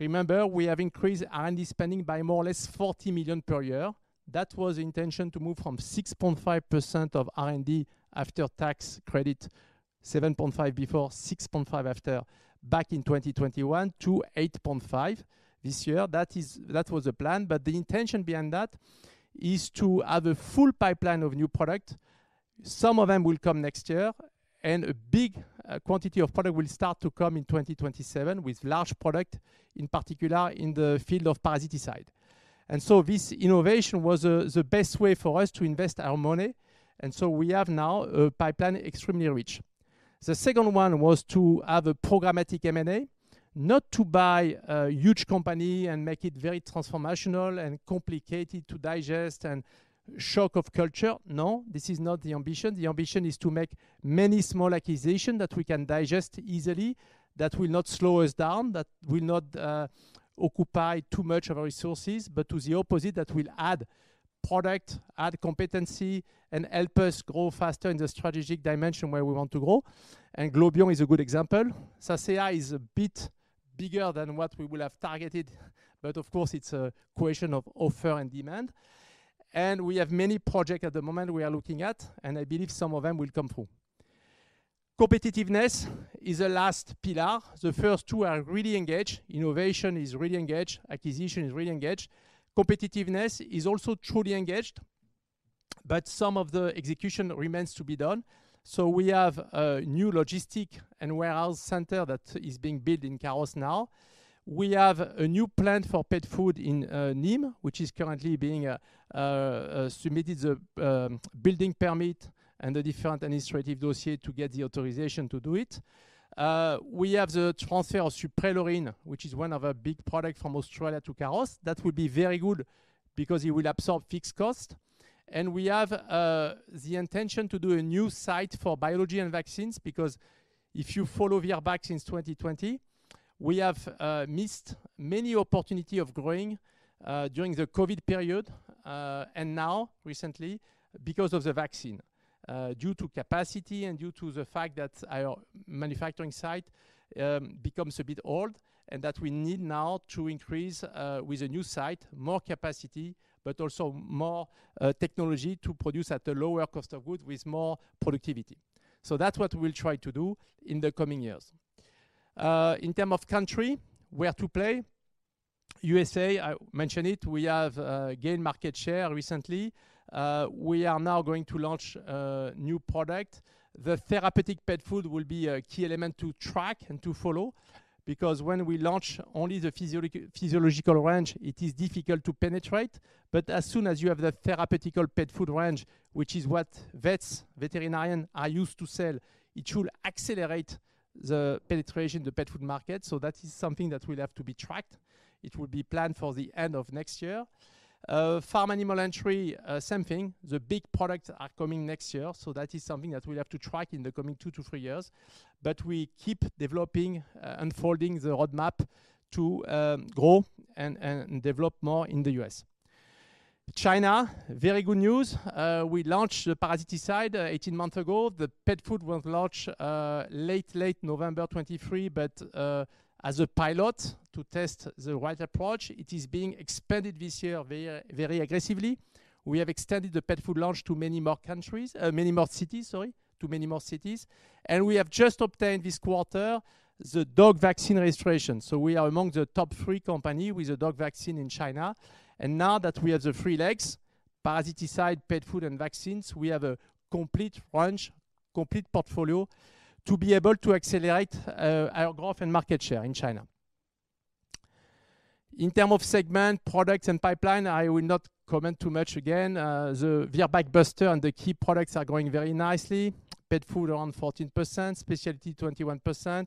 Remember, we have increased R&D spending by more or less 40 million per year. That was the intention, to move from 6.5% of R&D after tax credit, 7.5% before, 6.5% after, back in 2021 to 8.5% this year. That is... That was the plan, but the intention behind that is to have a full pipeline of new product. Some of them will come next year, and a big quantity of product will start to come in 2027, with large product, in particular in the field of parasiticide. And so this innovation was the best way for us to invest our money, and so we have now a pipeline extremely rich. The second one was to have a programmatic M&A, not to buy a huge company and make it very transformational and complicated to digest and shock of culture. No, this is not the ambition. The ambition is to make many small acquisitions that we can digest easily, that will not slow us down, that will not occupy too much of our resources, but to the opposite, that will add product, add competency, and help us grow faster in the strategic dimension where we want to go, and Globion is a good example. Sasaeah is a bit bigger than what we will have targeted, but of course, it's a question of offer and demand, and we have many projects at the moment we are looking at, and I believe some of them will come through. Competitiveness is the last pillar. The first two are really engaged. Innovation is really engaged. Acquisition is really engaged. Competitiveness is also truly engaged, but some of the execution remains to be done. We have a new logistics and warehouse center that is being built in Carros now. We have a new plant for pet food in Nîmes, which is currently being submitted the building permit and the different administrative dossier to get the authorization to do it. We have the transfer of Suprelorin, which is one of our big product from Australia to Carros. That will be very good because it will absorb fixed cost. And we have the intention to do a new site for biology and vaccines, because if you follow Virbac since twenty twenty, we have missed many opportunity of growing during the COVID period, and now recently because of the vaccine. Due to capacity and due to the fact that our manufacturing site becomes a bit old and that we need now to increase with a new site, more capacity, but also more technology to produce at a lower cost of goods with more productivity. So that's what we'll try to do in the coming years. In terms of country, where to play? USA, I mentioned it. We have gained market share recently. We are now going to launch a new product. The therapeutic pet food will be a key element to track and to follow, because when we launch only the physiological range, it is difficult to penetrate. But as soon as you have the therapeutic pet food range, which is what vets, veterinarians are used to sell, it should accelerate the penetration in the pet food market. That is something that will have to be tracked. It will be planned for the end of next year. Farm animal entry, same thing. The big products are coming next year, so that is something that we'll have to track in the coming two to three years. We keep developing, unfolding the roadmap to grow and develop more in the US. China, very good news. We launched the parasiticide eighteen months ago. The pet food was launched late November 2023, but as a pilot to test the right approach. It is being expanded this year very, very aggressively. We have extended the pet food launch to many more countries, many more cities, sorry, to many more cities. We have just obtained this quarter the dog vaccine registration. We are among the top three company with the dog vaccine in China. Now that we have the three legs: parasiticide, pet food, and vaccines. We have a complete range, complete portfolio to be able to accelerate our growth and market share in China. In terms of segment, products, and pipeline, I will not comment too much again. We have blockbusters and the key products are growing very nicely. Pet food around 14%, specialty 21%,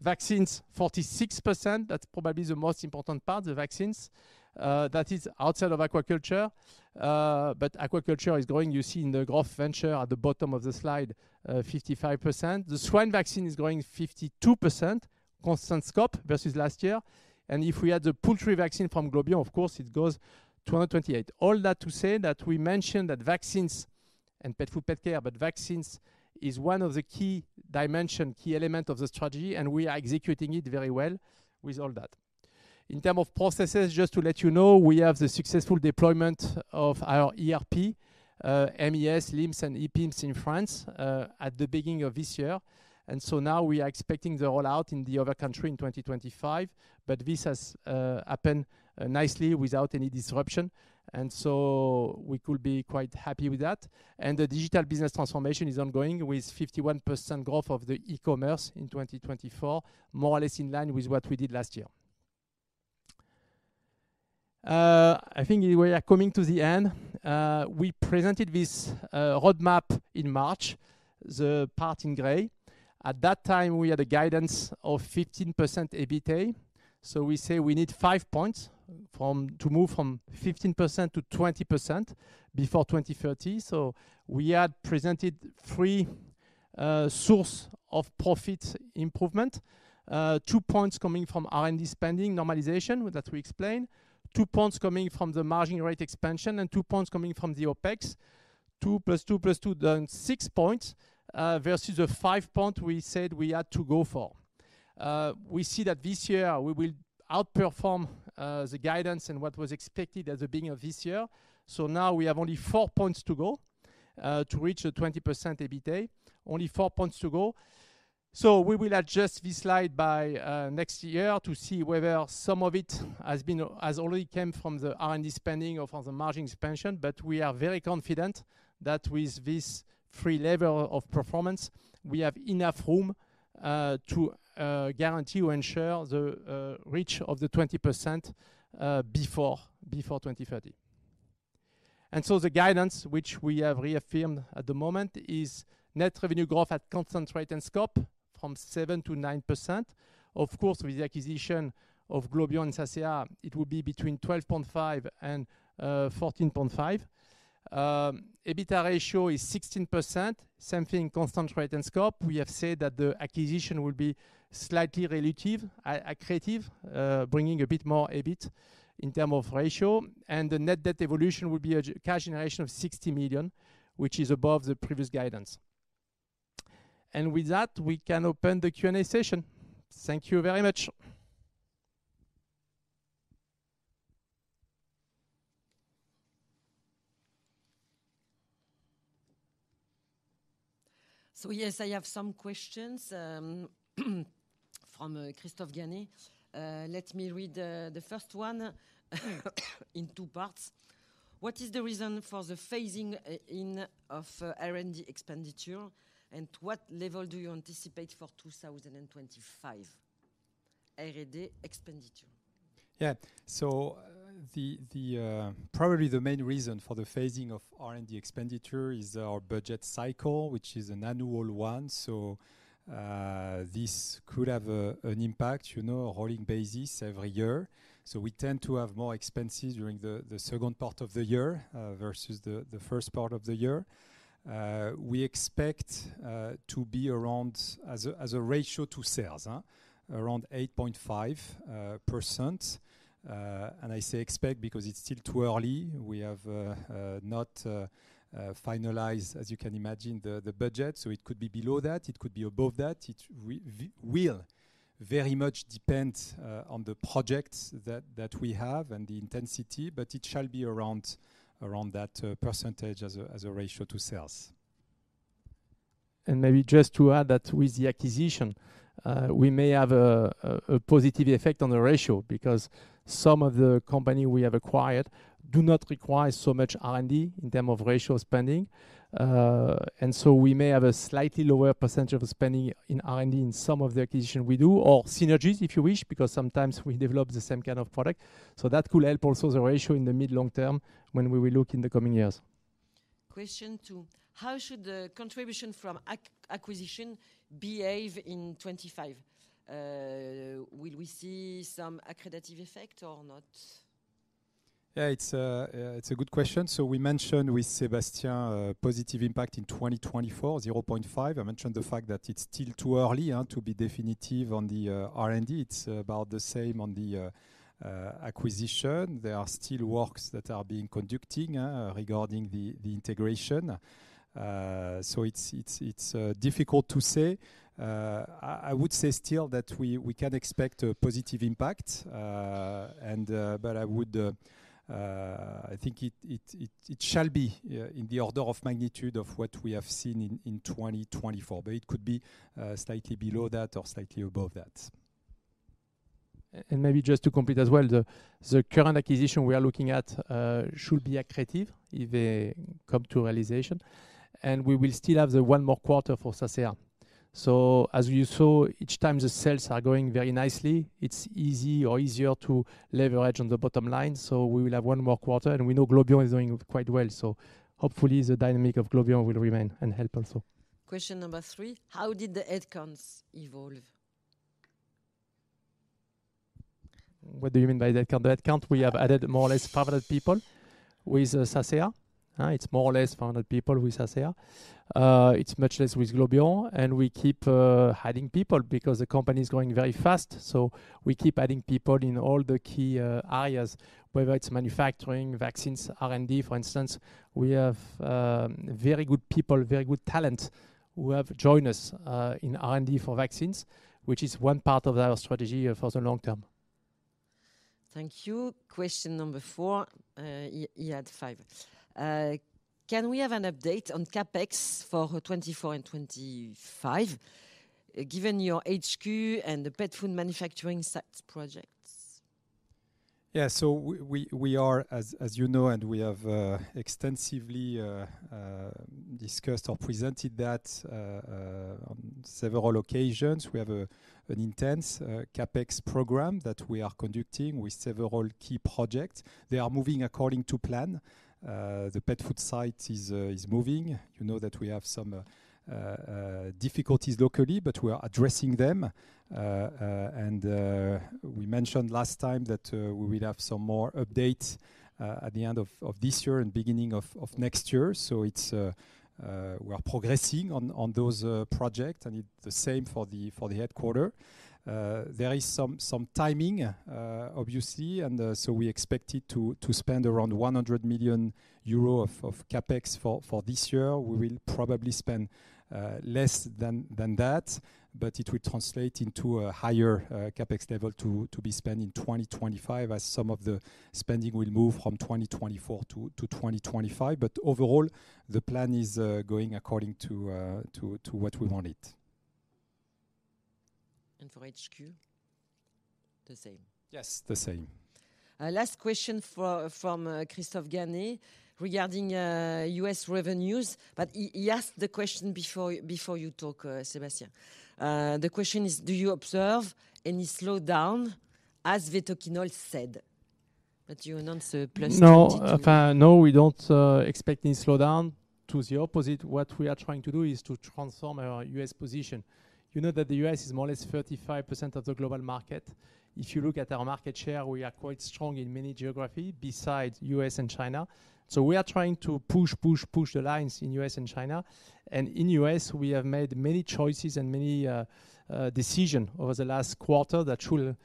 vaccines 46%. That's probably the most important part, the vaccines. That is outside of aquaculture. But aquaculture is growing. You see in the growth venture at the bottom of the slide, 55%. The swine vaccine is growing 52%, constant scope versus last year. And if we add the poultry vaccine from Globion, of course, it goes to 128%. All that to say that we mentioned that vaccines and pet food, pet care, but vaccines is one of the key dimension, key element of the strategy, and we are executing it very well with all that. In terms of processes, just to let you know, we have the successful deployment of our ERP, MES, LIMS, and EPIMS in France at the beginning of this year, and so now we are expecting the roll-out in the other country in twenty twenty-five, but this has happened nicely without any disruption, and so we could be quite happy with that, and the digital business transformation is ongoing, with 51% growth of the e-commerce in twenty twenty-four, more or less in line with what we did last year. I think we are coming to the end. We presented this roadmap in March, the part in gray. At that time, we had a guidance of 15% EBITDA. So we say we need five points from to move from 15% to 20% before twenty thirty. So we had presented three source of profit improvement. Two points coming from R&D spending normalization, that we explained. Two points coming from the margin rate expansion, and two points coming from the OpEx. Two plus two plus two, then six points versus the five point we said we had to go for. We see that this year we will outperform the guidance and what was expected at the beginning of this year. So now we have only four points to go to reach the 20% EBITDA. Only four points to go. So we will adjust this slide by next year to see whether some of it has already come from the R&D spending or from the margin expansion. But we are very confident that with this free level of performance, we have enough room to guarantee or ensure the reach of the 20% before 2030. And so the guidance, which we have reaffirmed at the moment, is net revenue growth at constant rate and scope from 7-9%. Of course, with the acquisition of Globion and Sasaeah, it will be between 12.5 and 14.5. EBITDA ratio is 16%, same thing, constant rate and scope. We have said that the acquisition will be slightly accretive, bringing a bit more EBIT in term of ratio, and the net debt evolution will be a cash generation of 60 million, which is above the previous guidance. And with that, we can open the Q&A session. Thank you very much. Yes, I have some questions from Christophe Ganet. Let me read the first one, in two parts. What is the reason for the phasing in of R&D expenditure? And what level do you anticipate for two thousand and twenty-five R&D expenditure? Yeah. So, the probably the main reason for the phasing of R&D expenditure is our budget cycle, which is an annual one. So, this could have an impact, you know, a rolling basis every year. So we tend to have more expenses during the second part of the year versus the first part of the year. We expect to be around as a ratio to sales around 8.5%. And I say expect, because it's still too early. We have not finalized, as you can imagine, the budget. So it could be below that, it could be above that. It will very much depend on the projects that we have and the intensity, but it shall be around that percentage as a ratio to sales. Maybe just to add that with the acquisition, we may have a positive effect on the ratio, because some of the companies we have acquired do not require so much R&D in terms of R&D spending. And so we may have a slightly lower percentage of spending in R&D in some of the acquisitions we do, or synergies, if you wish, because sometimes we develop the same kind of product. So that could help also the ratio in the mid-long term when we will look in the coming years. Question two: How should the contribution from acquisition behave in 2025? Will we see some accretive effect or not? Yeah, it's a good question. So we mentioned with Sébastien positive impact in 2024, 0.5. I mentioned the fact that it's still too early to be definitive on the R&D. It's about the same on the acquisition. There are still works that are being conducted regarding the integration. So it's difficult to say. I would say still that we can expect a positive impact, and but I would, I think, it shall be in the order of magnitude of what we have seen in 2024. But it could be slightly below that or slightly above that.... And maybe just to complete as well, the current acquisition we are looking at should be accretive if they come to realization, and we will still have the one more quarter for Sasaeah. So as you saw, each time the sales are growing very nicely, it's easy or easier to leverage on the bottom line. So we will have one more quarter, and we know Globion is doing quite well, so hopefully the dynamic of Globion will remain and help also. Question number three: How did the headcounts evolve? What do you mean by the headcount? The headcount, we have added more or less 500 people with Sasaeah. It's much less with Globion, and we keep adding people because the company is growing very fast. So we keep adding people in all the key areas, whether it's manufacturing, vaccines, R&D, for instance. We have very good people, very good talent, who have joined us in R&D for vaccines, which is one part of our strategy for the long term. Thank you. Question number four. Can we have an update on CapEx for 2024 and 2025, given your HQ and the pet food manufacturing site projects? Yeah. So we are, as you know, and we have extensively discussed or presented that on several occasions. We have an intense CapEx program that we are conducting with several key projects. They are moving according to plan. The pet food site is moving. You know that we have some difficulties locally, but we are addressing them. And we mentioned last time that we will have some more updates at the end of this year and beginning of next year. So it's we are progressing on those projects, and it's the same for the headquarters. There is some timing, obviously, and so we expected to spend around 100 million euro of CapEx for this year. We will probably spend less than that, but it will translate into a higher CapEx level to be spent in 2025, as some of the spending will move from 2024 to 2025. But overall, the plan is going according to what we want it. For HQ, the same? Yes, the same. Last question from Christophe Ganet, regarding U.S. revenues, but he asked the question before you talk, Sébastien. The question is: Do you observe any slowdown, as Vetoquinol said? But you announced a plus twenty-two- No, no, we don't expect any slowdown. To the opposite, what we are trying to do is to transform our U.S. position. You know that the U.S. is more or less 35% of the global market. If you look at our market share, we are quite strong in many geography besides U.S. and China. So we are trying to push, push, push the lines in U.S. and China. And in U.S., we have made many choices and many decisions over the last quarter that should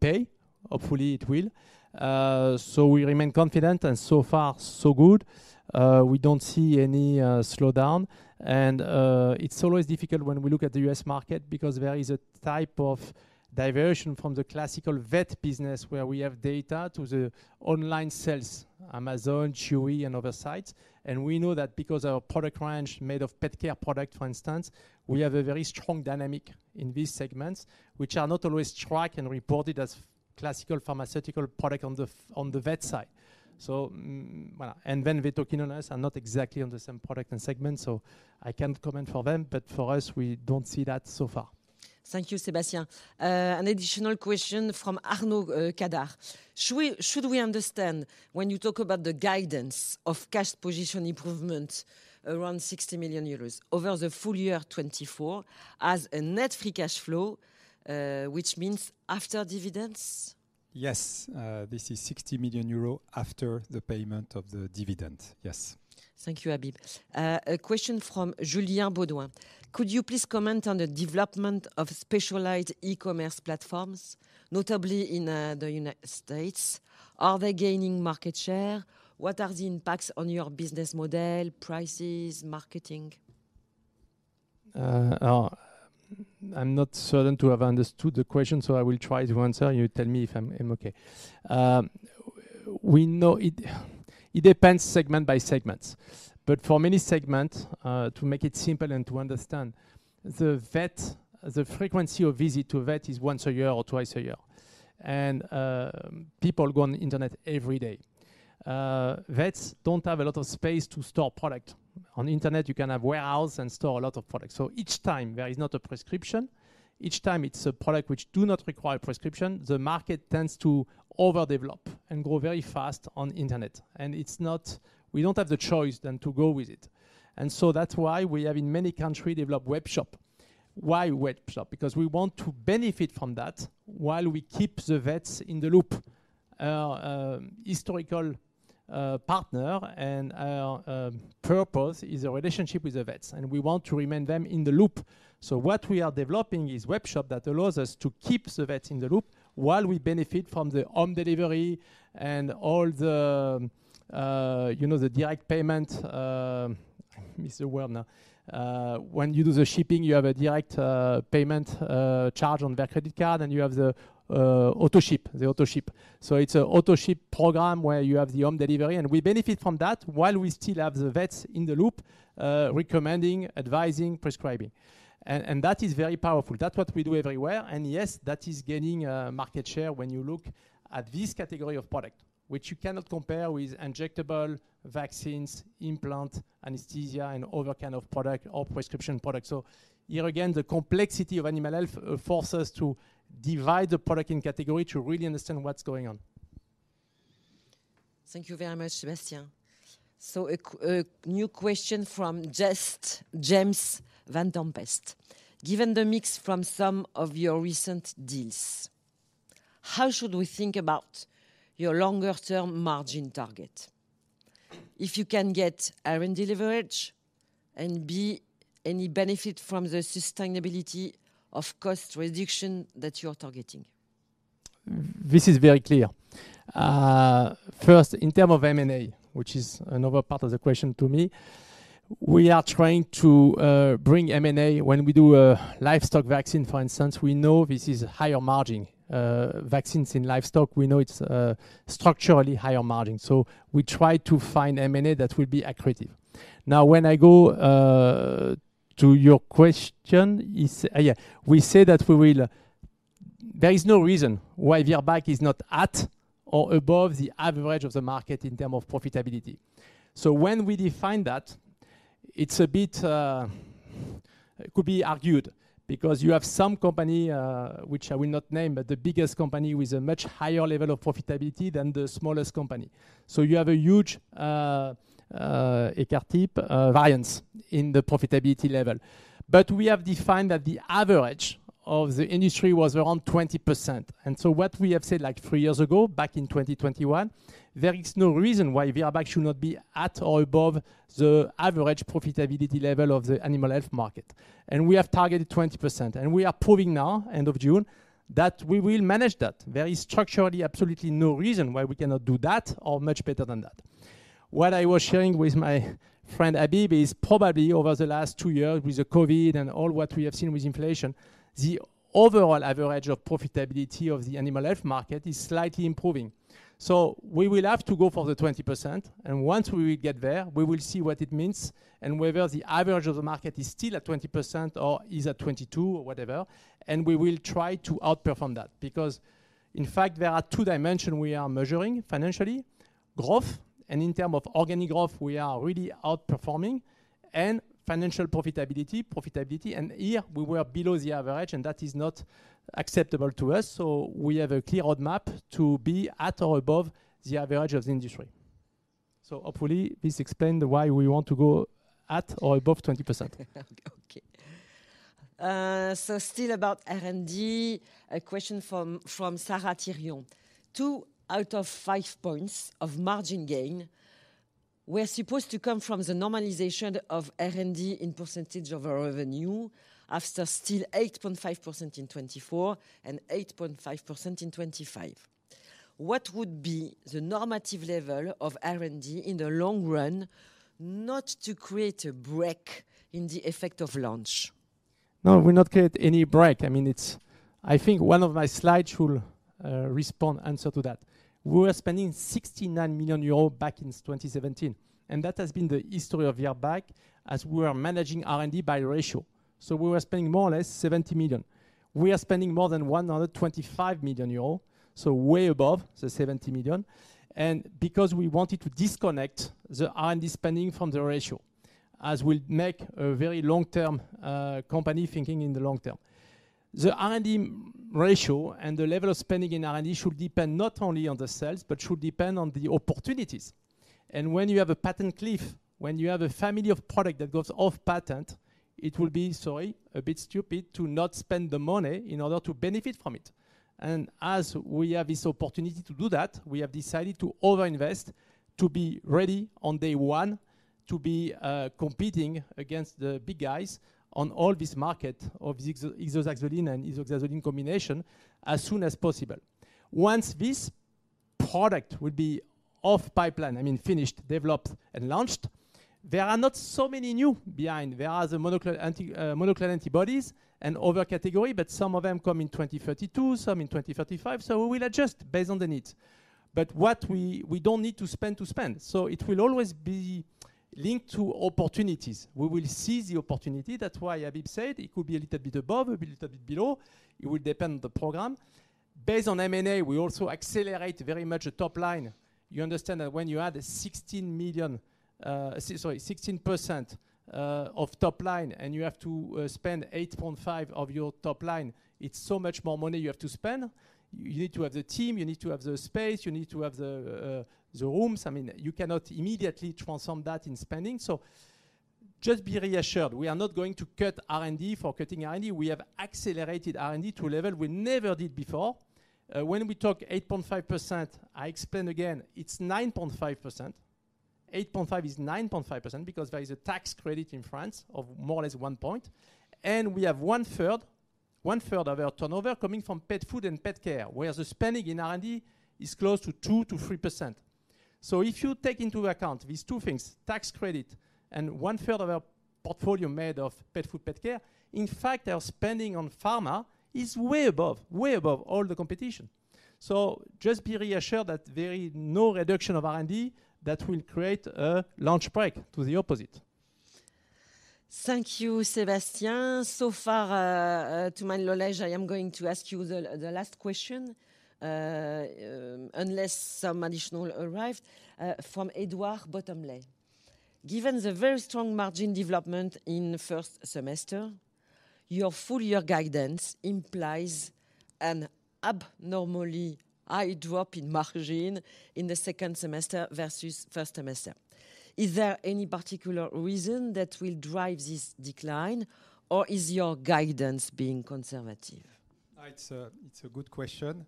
pay. Hopefully, it will. So we remain confident, and so far, so good. We don't see any slowdown, and it's always difficult when we look at the U.S. market because there is a type of diversion from the classical vet business, where we have data to the online sales, Amazon, Chewy, and other sites. And we know that because our product range made of pet care product, for instance, we have a very strong dynamic in these segments, which are not always tracked and reported as for classical pharmaceutical product on the on the vet side. So, well, and then Vetoquinol and us are not exactly on the same product and segment, so I can't comment for them, but for us, we don't see that so far. Thank you, Sébastien. An additional question from Arnaud Cadart: Should we understand when you talk about the guidance of cash position improvement around 60 million euros over the full year of 2024 as a net free cash flow, which means after dividends? Yes, this is 60 million euro after the payment of the dividend. Yes. Thank you, Habib. A question from Julien Baudouin: Could you please comment on the development of specialized e-commerce platforms, notably in the United States? Are they gaining market share? What are the impacts on your business model, prices, marketing? I'm not certain to have understood the question, so I will try to answer, and you tell me if I'm okay. We know it depends segment by segments. But for many segments, to make it simple and to understand, the vet, the frequency of visit to a vet is once a year or twice a year, and people go on the internet every day. Vets don't have a lot of space to store product. On internet, you can have warehouse and store a lot of products. So each time there is not a prescription, each time it's a product which do not require prescription, the market tends to overdevelop and grow very fast on internet. And it's not. We don't have the choice than to go with it. And so that's why we have, in many country, developed webshop. Why webshop? Because we want to benefit from that while we keep the vets in the loop. Historical partner and purpose is a relationship with the vets, and we want to remain them in the loop. So what we are developing is webshop that allows us to keep the vet in the loop while we benefit from the home delivery and all the, you know, the direct payment, it's a word now. When you do the shipping, you have a direct payment charge on their credit card, and you have the auto-ship. The auto-ship. So it's a auto-ship program where you have the home delivery, and we benefit from that while we still have the vets in the loop, recommending, advising, prescribing. And that is very powerful. That's what we do everywhere, and yes, that is gaining market share when you look at this category of product, which you cannot compare with injectable vaccines, implant, anesthesia, and other kind of product or prescription products. So here again, the complexity of animal health forces to divide the product in category to really understand what's going on. Thank you very much, Sébastien. So a new question from Just James Vane-Tempest: Given the mix from some of your recent deals, how should we think about your longer-term margin target? If you can get R&D leverage, and B, any benefit from the sustainability of cost reduction that you are targeting. This is very clear. First, in terms of M&A, which is another part of the question to me, we are trying to bring M&A. When we do a livestock vaccine, for instance, we know this is higher margin. Vaccines in livestock, we know it's structurally higher margin, so we try to find M&A that will be accretive. Now, when I go to your question, is. Yeah. We say that we will. There is no reason why Virbac is not at or above the average of the market in terms of profitability. So when we define that, it's a bit. It could be argued, because you have some company, which I will not name, but the biggest company with a much higher level of profitability than the smallest company. So you have a huge standard deviation variance in the profitability level. But we have defined that the average of the industry was around 20%, and so what we have said, like three years ago, back in 2021, there is no reason why Virbac should not be at or above the average profitability level of the animal health market. And we have targeted 20%, and we are proving now, end of June, that we will manage that. There is structurally absolutely no reason why we cannot do that or much better than that. What I was sharing with my friend Habib is probably over the last two years, with the COVID and all what we have seen with inflation, the overall average of profitability of the animal health market is slightly improving. So we will have to go for the 20%, and once we will get there, we will see what it means and whether the average of the market is still at 20% or is at 22 or whatever, and we will try to outperform that. Because, in fact, there are two dimension we are measuring financially: growth, and in term of organic growth, we are really outperforming, and financial profitability, profitability. And here, we were below the average, and that is not acceptable to us, so we have a clear roadmap to be at or above the average of the industry. So hopefully, this explain why we want to go at or above 20%. Okay. So still about R&D, a question from Sarah Thirion: Two out of five points of margin gain were supposed to come from the normalization of R&D in percentage of our revenue, after still 8.5% in 2024 and 8.5% in 2025. What would be the normative level of R&D in the long run, not to create a break in the effect of launch? No, we not get any break. I mean, it's. I think one of my slides will respond, answer to that. We were spending 69 million euros back in 2017, and that has been the history of Virbac as we were managing R&D by ratio. So we were spending more or less 70 million. We are spending more than 125 million EUR, so way above the 70 million, and because we wanted to disconnect the R&D spending from the ratio, as we make a very long-term company thinking in the long term. The R&D ratio and the level of spending in R&D should depend not only on the sales, but should depend on the opportunities. And when you have a patent cliff, when you have a family of product that goes off patent, it will be, sorry, a bit stupid to not spend the money in order to benefit from it. And as we have this opportunity to do that, we have decided to over-invest, to be ready on day one, to be competing against the big guys on all this market of isoxazoline and isoxazoline combination as soon as possible. Once this product will be off pipeline, I mean, finished, developed and launched, there are not so many new behind. There are the monoclonal antibodies and other category, but some of them come in 2032, some in 2035, so we will adjust based on the need. But what we don't need to spend to spend, so it will always be linked to opportunities. We will seize the opportunity. That's why Habib said it could be a little bit above, a little bit below. It will depend on the program. Based on M&A, we also accelerate very much the top line. You understand that when you add 16% of top line, and you have to spend 8.5% of your top line, it's so much more money you have to spend. You need to have the team, you need to have the space, you need to have the rooms. I mean, you cannot immediately transform that in spending. Just be reassured, we are not going to cut R&D for cutting R&D. We have accelerated R&D to a level we never did before. When we talk 8.5%, I explain again, it's 9.5%. 8.5 is 9.5% because there is a tax credit in France of more or less one point, and we have one third of our turnover coming from pet food and pet care, where the spending in R&D is close to 2% to 3%. So if you take into account these two things, tax credit and one third of our portfolio made of pet food, pet care, in fact, our spending on pharma is way above, way above all the competition. So just be reassured that there is no reduction of R&D that will create a large break, to the opposite. Thank you, Sébastien. So far, to my knowledge, I am going to ask you the last question, unless some additional arrived, from Edward Bottomley. "Given the very strong margin development in the first semester, your full year guidance implies an abnormally high drop in margin in the second semester versus first semester. Is there any particular reason that will drive this decline, or is your guidance being conservative? It's a good question.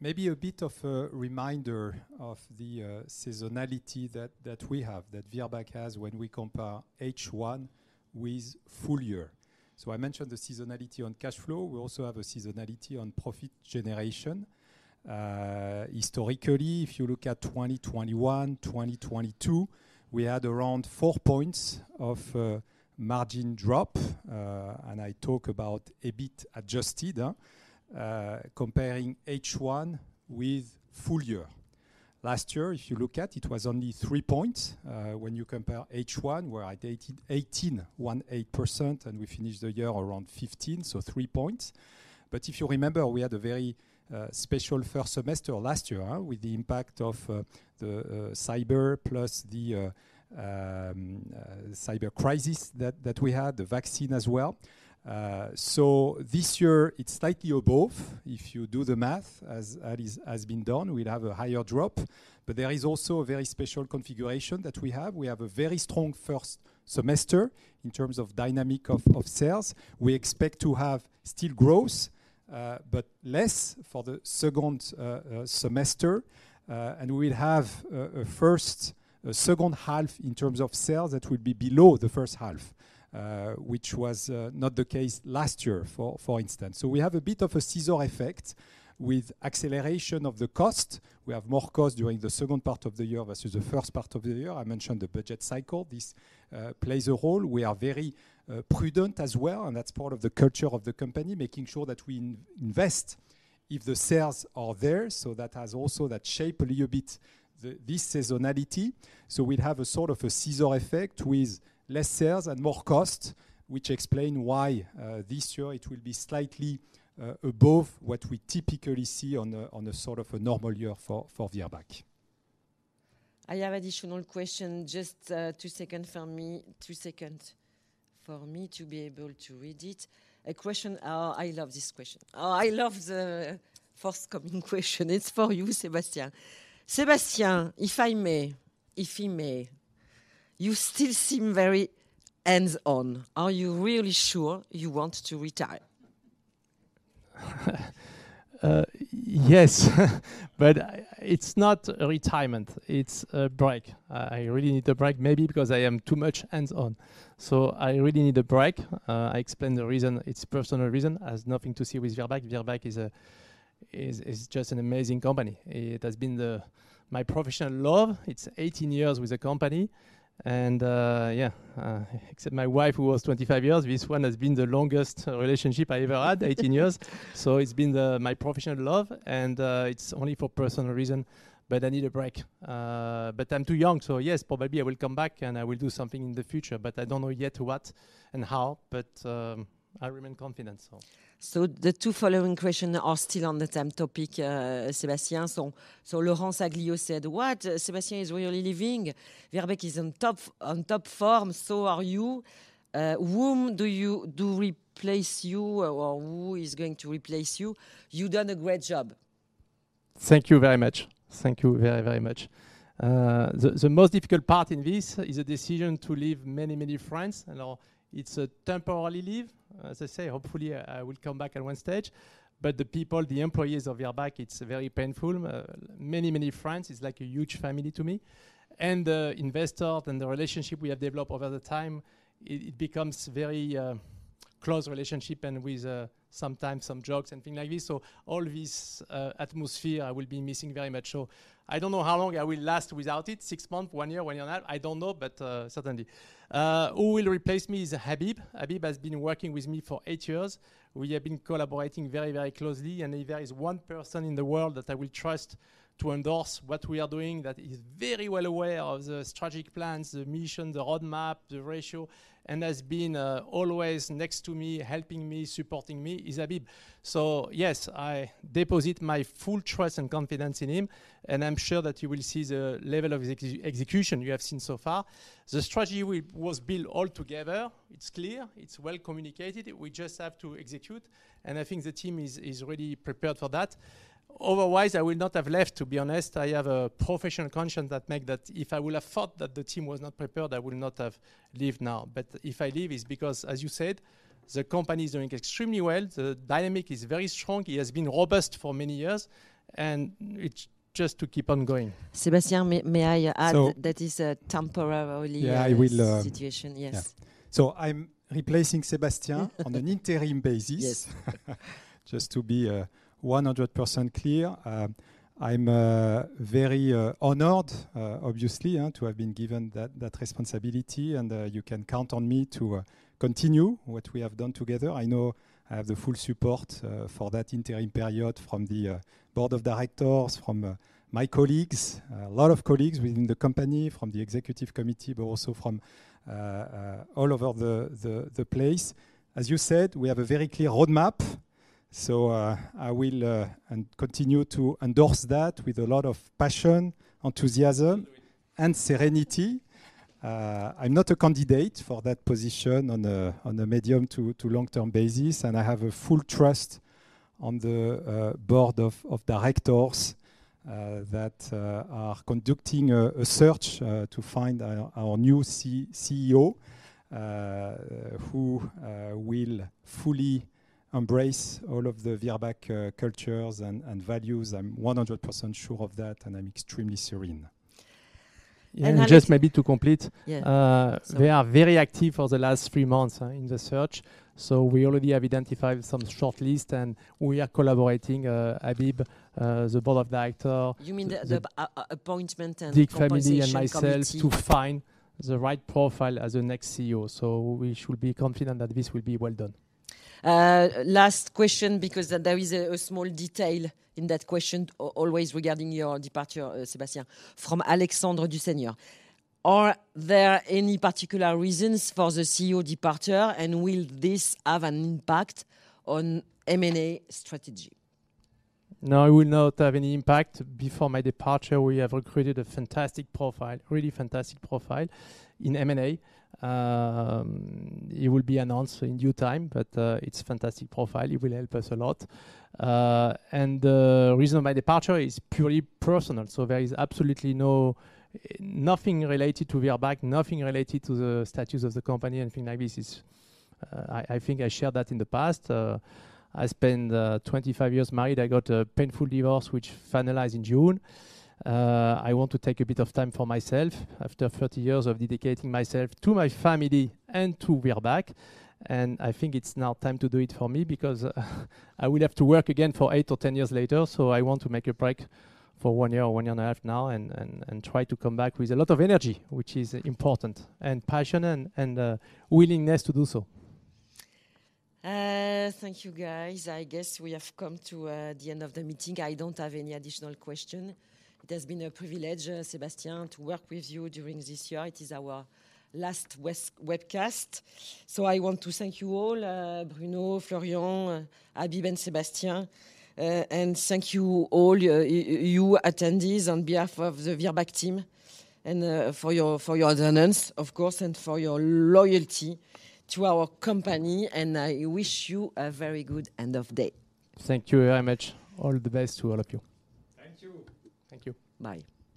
Maybe a bit of a reminder of the seasonality that we have, that Virbac has when we compare H1 with full year. So I mentioned the seasonality on cash flow. We also have a seasonality on profit generation. Historically, if you look at 2021, 2022, we had around four points of margin drop. And I talk about a bit adjusted comparing H1 with full year. Last year, if you look at, it was only three points. When you compare H1, we're at 18.18%, and we finished the year around 15%, so three points. But if you remember, we had a very special first semester last year with the impact of the cyber plus the cyber crisis that we had, the vaccine as well. So this year it's slightly above. If you do the math, as that has been done, we'll have a higher drop. But there is also a very special configuration that we have. We have a very strong first semester in terms of dynamic of sales. We expect to have still growth, but less for the second semester. And we'll have a second half in terms of sales that will be below the first half, which was not the case last year, for instance. So we have a bit of a scissor effect with acceleration of the cost. We have more cost during the second part of the year versus the first part of the year. I mentioned the budget cycle. This plays a role. We are very prudent as well, and that's part of the culture of the company, making sure that we invest if the sales are there. So that has also shape a little bit this seasonality. So we'll have a sort of a scissor effect with less sales and more cost, which explain why this year it will be slightly above what we typically see on a sort of a normal year for Virbac. I have additional question. Just, two seconds for me, two seconds for me to be able to read it. A question, I love this question. Oh, I love the forthcoming question. It's for you, Sébastien. Sébastien, if I may, if he may, you still seem very hands-on. Are you really sure you want to retire? Yes, but it's not a retirement, it's a break. I really need a break, maybe because I am too much hands-on. So I really need a break. I explained the reason. It's personal reason, has nothing to see with Virbac. Virbac is just an amazing company. It has been the my professional love. It's eighteen years with the company, and except my wife, who was twenty-five years, this one has been the longest relationship I ever had, eighteen years. So it's been the my professional love, and it's only for personal reason, but I need a break. But I'm too young, so yes, probably I will come back, and I will do something in the future, but I don't know yet what and how, but I remain confident, so. So the two following questions are still on the same topic, Sébastien. So, so Laurence Aglio said: "What? Sébastien is really leaving? Virbac is on top, on top form. So are you. Whom do you... do replace you, or, or who is going to replace you? You've done a great job. Thank you very much. Thank you very, very much. The most difficult part in this is the decision to leave many, many friends. I know it's a temporary leave. As I say, hopefully, I will come back at one stage. But the people, the employees of Virbac, it's very painful. Many, many friends, it's like a huge family to me. And the investors and the relationship we have developed over the time, it becomes very close relationship and with sometimes some jokes and things like this. So all this atmosphere, I will be missing very much so. I don't know how long I will last without it, six months, one year, one year and a half, I don't know, but certainly. Who will replace me is Habib. Habib has been working with me for eight years. We have been collaborating very, very closely, and if there is one person in the world that I will trust to endorse what we are doing, that is very well aware of the strategic plans, the mission, the roadmap, the ratio, and has been always next to me, helping me, supporting me, is Habib. So yes, I deposit my full trust and confidence in him, and I'm sure that you will see the level of execution you have seen so far. The strategy we was built all together. It's clear, it's well communicated, we just have to execute, and I think the team is really prepared for that. Otherwise, I would not have left, to be honest. I have a professional conscience that make that if I would have thought that the team was not prepared, I would not have leave now. But if I leave, it's because, as you said, the company is doing extremely well. The dynamic is very strong. It has been robust for many years, and it's just to keep on going. Sébastien, may I add- So- that is a temporarily, Yeah, I will. situation. Yes. Yeah. So I'm replacing Sébastien on an interim basis. Yes. Just to be 100% clear, I'm very honored, obviously, to have been given that responsibility, and you can count on me to continue what we have done together. I know I have the full support for that interim period from the board of directors, from my colleagues, a lot of colleagues within the company, from the executive committee, but also from all over the place. As you said, we have a very clear roadmap, so I will and continue to endorse that with a lot of passion, enthusiasm, and serenity. I'm not a candidate for that position on a medium to long-term basis, and I have a full trust on the board of directors that are conducting a search to find our new CEO who will fully embrace all of the Virbac cultures and values. I'm 100% sure of that, and I'm extremely serene. And then- And just maybe to complete- Yeah. We are very active for the last three months in the search, so we already have identified some short list, and we are collaborating, Habib, the board of director, the- You mean the appointment and compensation committee?... the family and myself, to find the right profile as the next CEO so we should be confident that this will be well done. Last question, because there is a small detail in that question always regarding your departure, Sébastien, from Alexandre Dusseur. "Are there any particular reasons for the CEO departure, and will this have an impact on M&A strategy? No, it will not have any impact. Before my departure, we have recruited a fantastic profile, really fantastic profile in M&A. It will be announced in due time, but it's a fantastic profile. It will help us a lot, and the reason of my departure is purely personal, so there is absolutely no nothing related to Virbac, nothing related to the status of the company or anything like this. It's, I think I shared that in the past. I spent twenty-five years married. I got a painful divorce, which finalized in June. I want to take a bit of time for myself after thirty years of dedicating myself to my family and to Virbac, and I think it's now time to do it for me because I will have to work again for eight or ten years later. So I want to make a break for one year or one year and a half now and try to come back with a lot of energy, which is important, and passion and willingness to do so. Thank you, guys. I guess we have come to the end of the meeting. I don't have any additional question. It has been a privilege, Sébastien, to work with you during this year. It is our last webcast, so I want to thank you all, Bruno, Florian, Habib, and Sébastien. And thank you all, you attendees, on behalf of the Virbac team, and for your attendance, of course, and for your loyalty to our company, and I wish you a very good end of day. Thank you very much. All the best to all of you. Thank you! Thank you. Bye.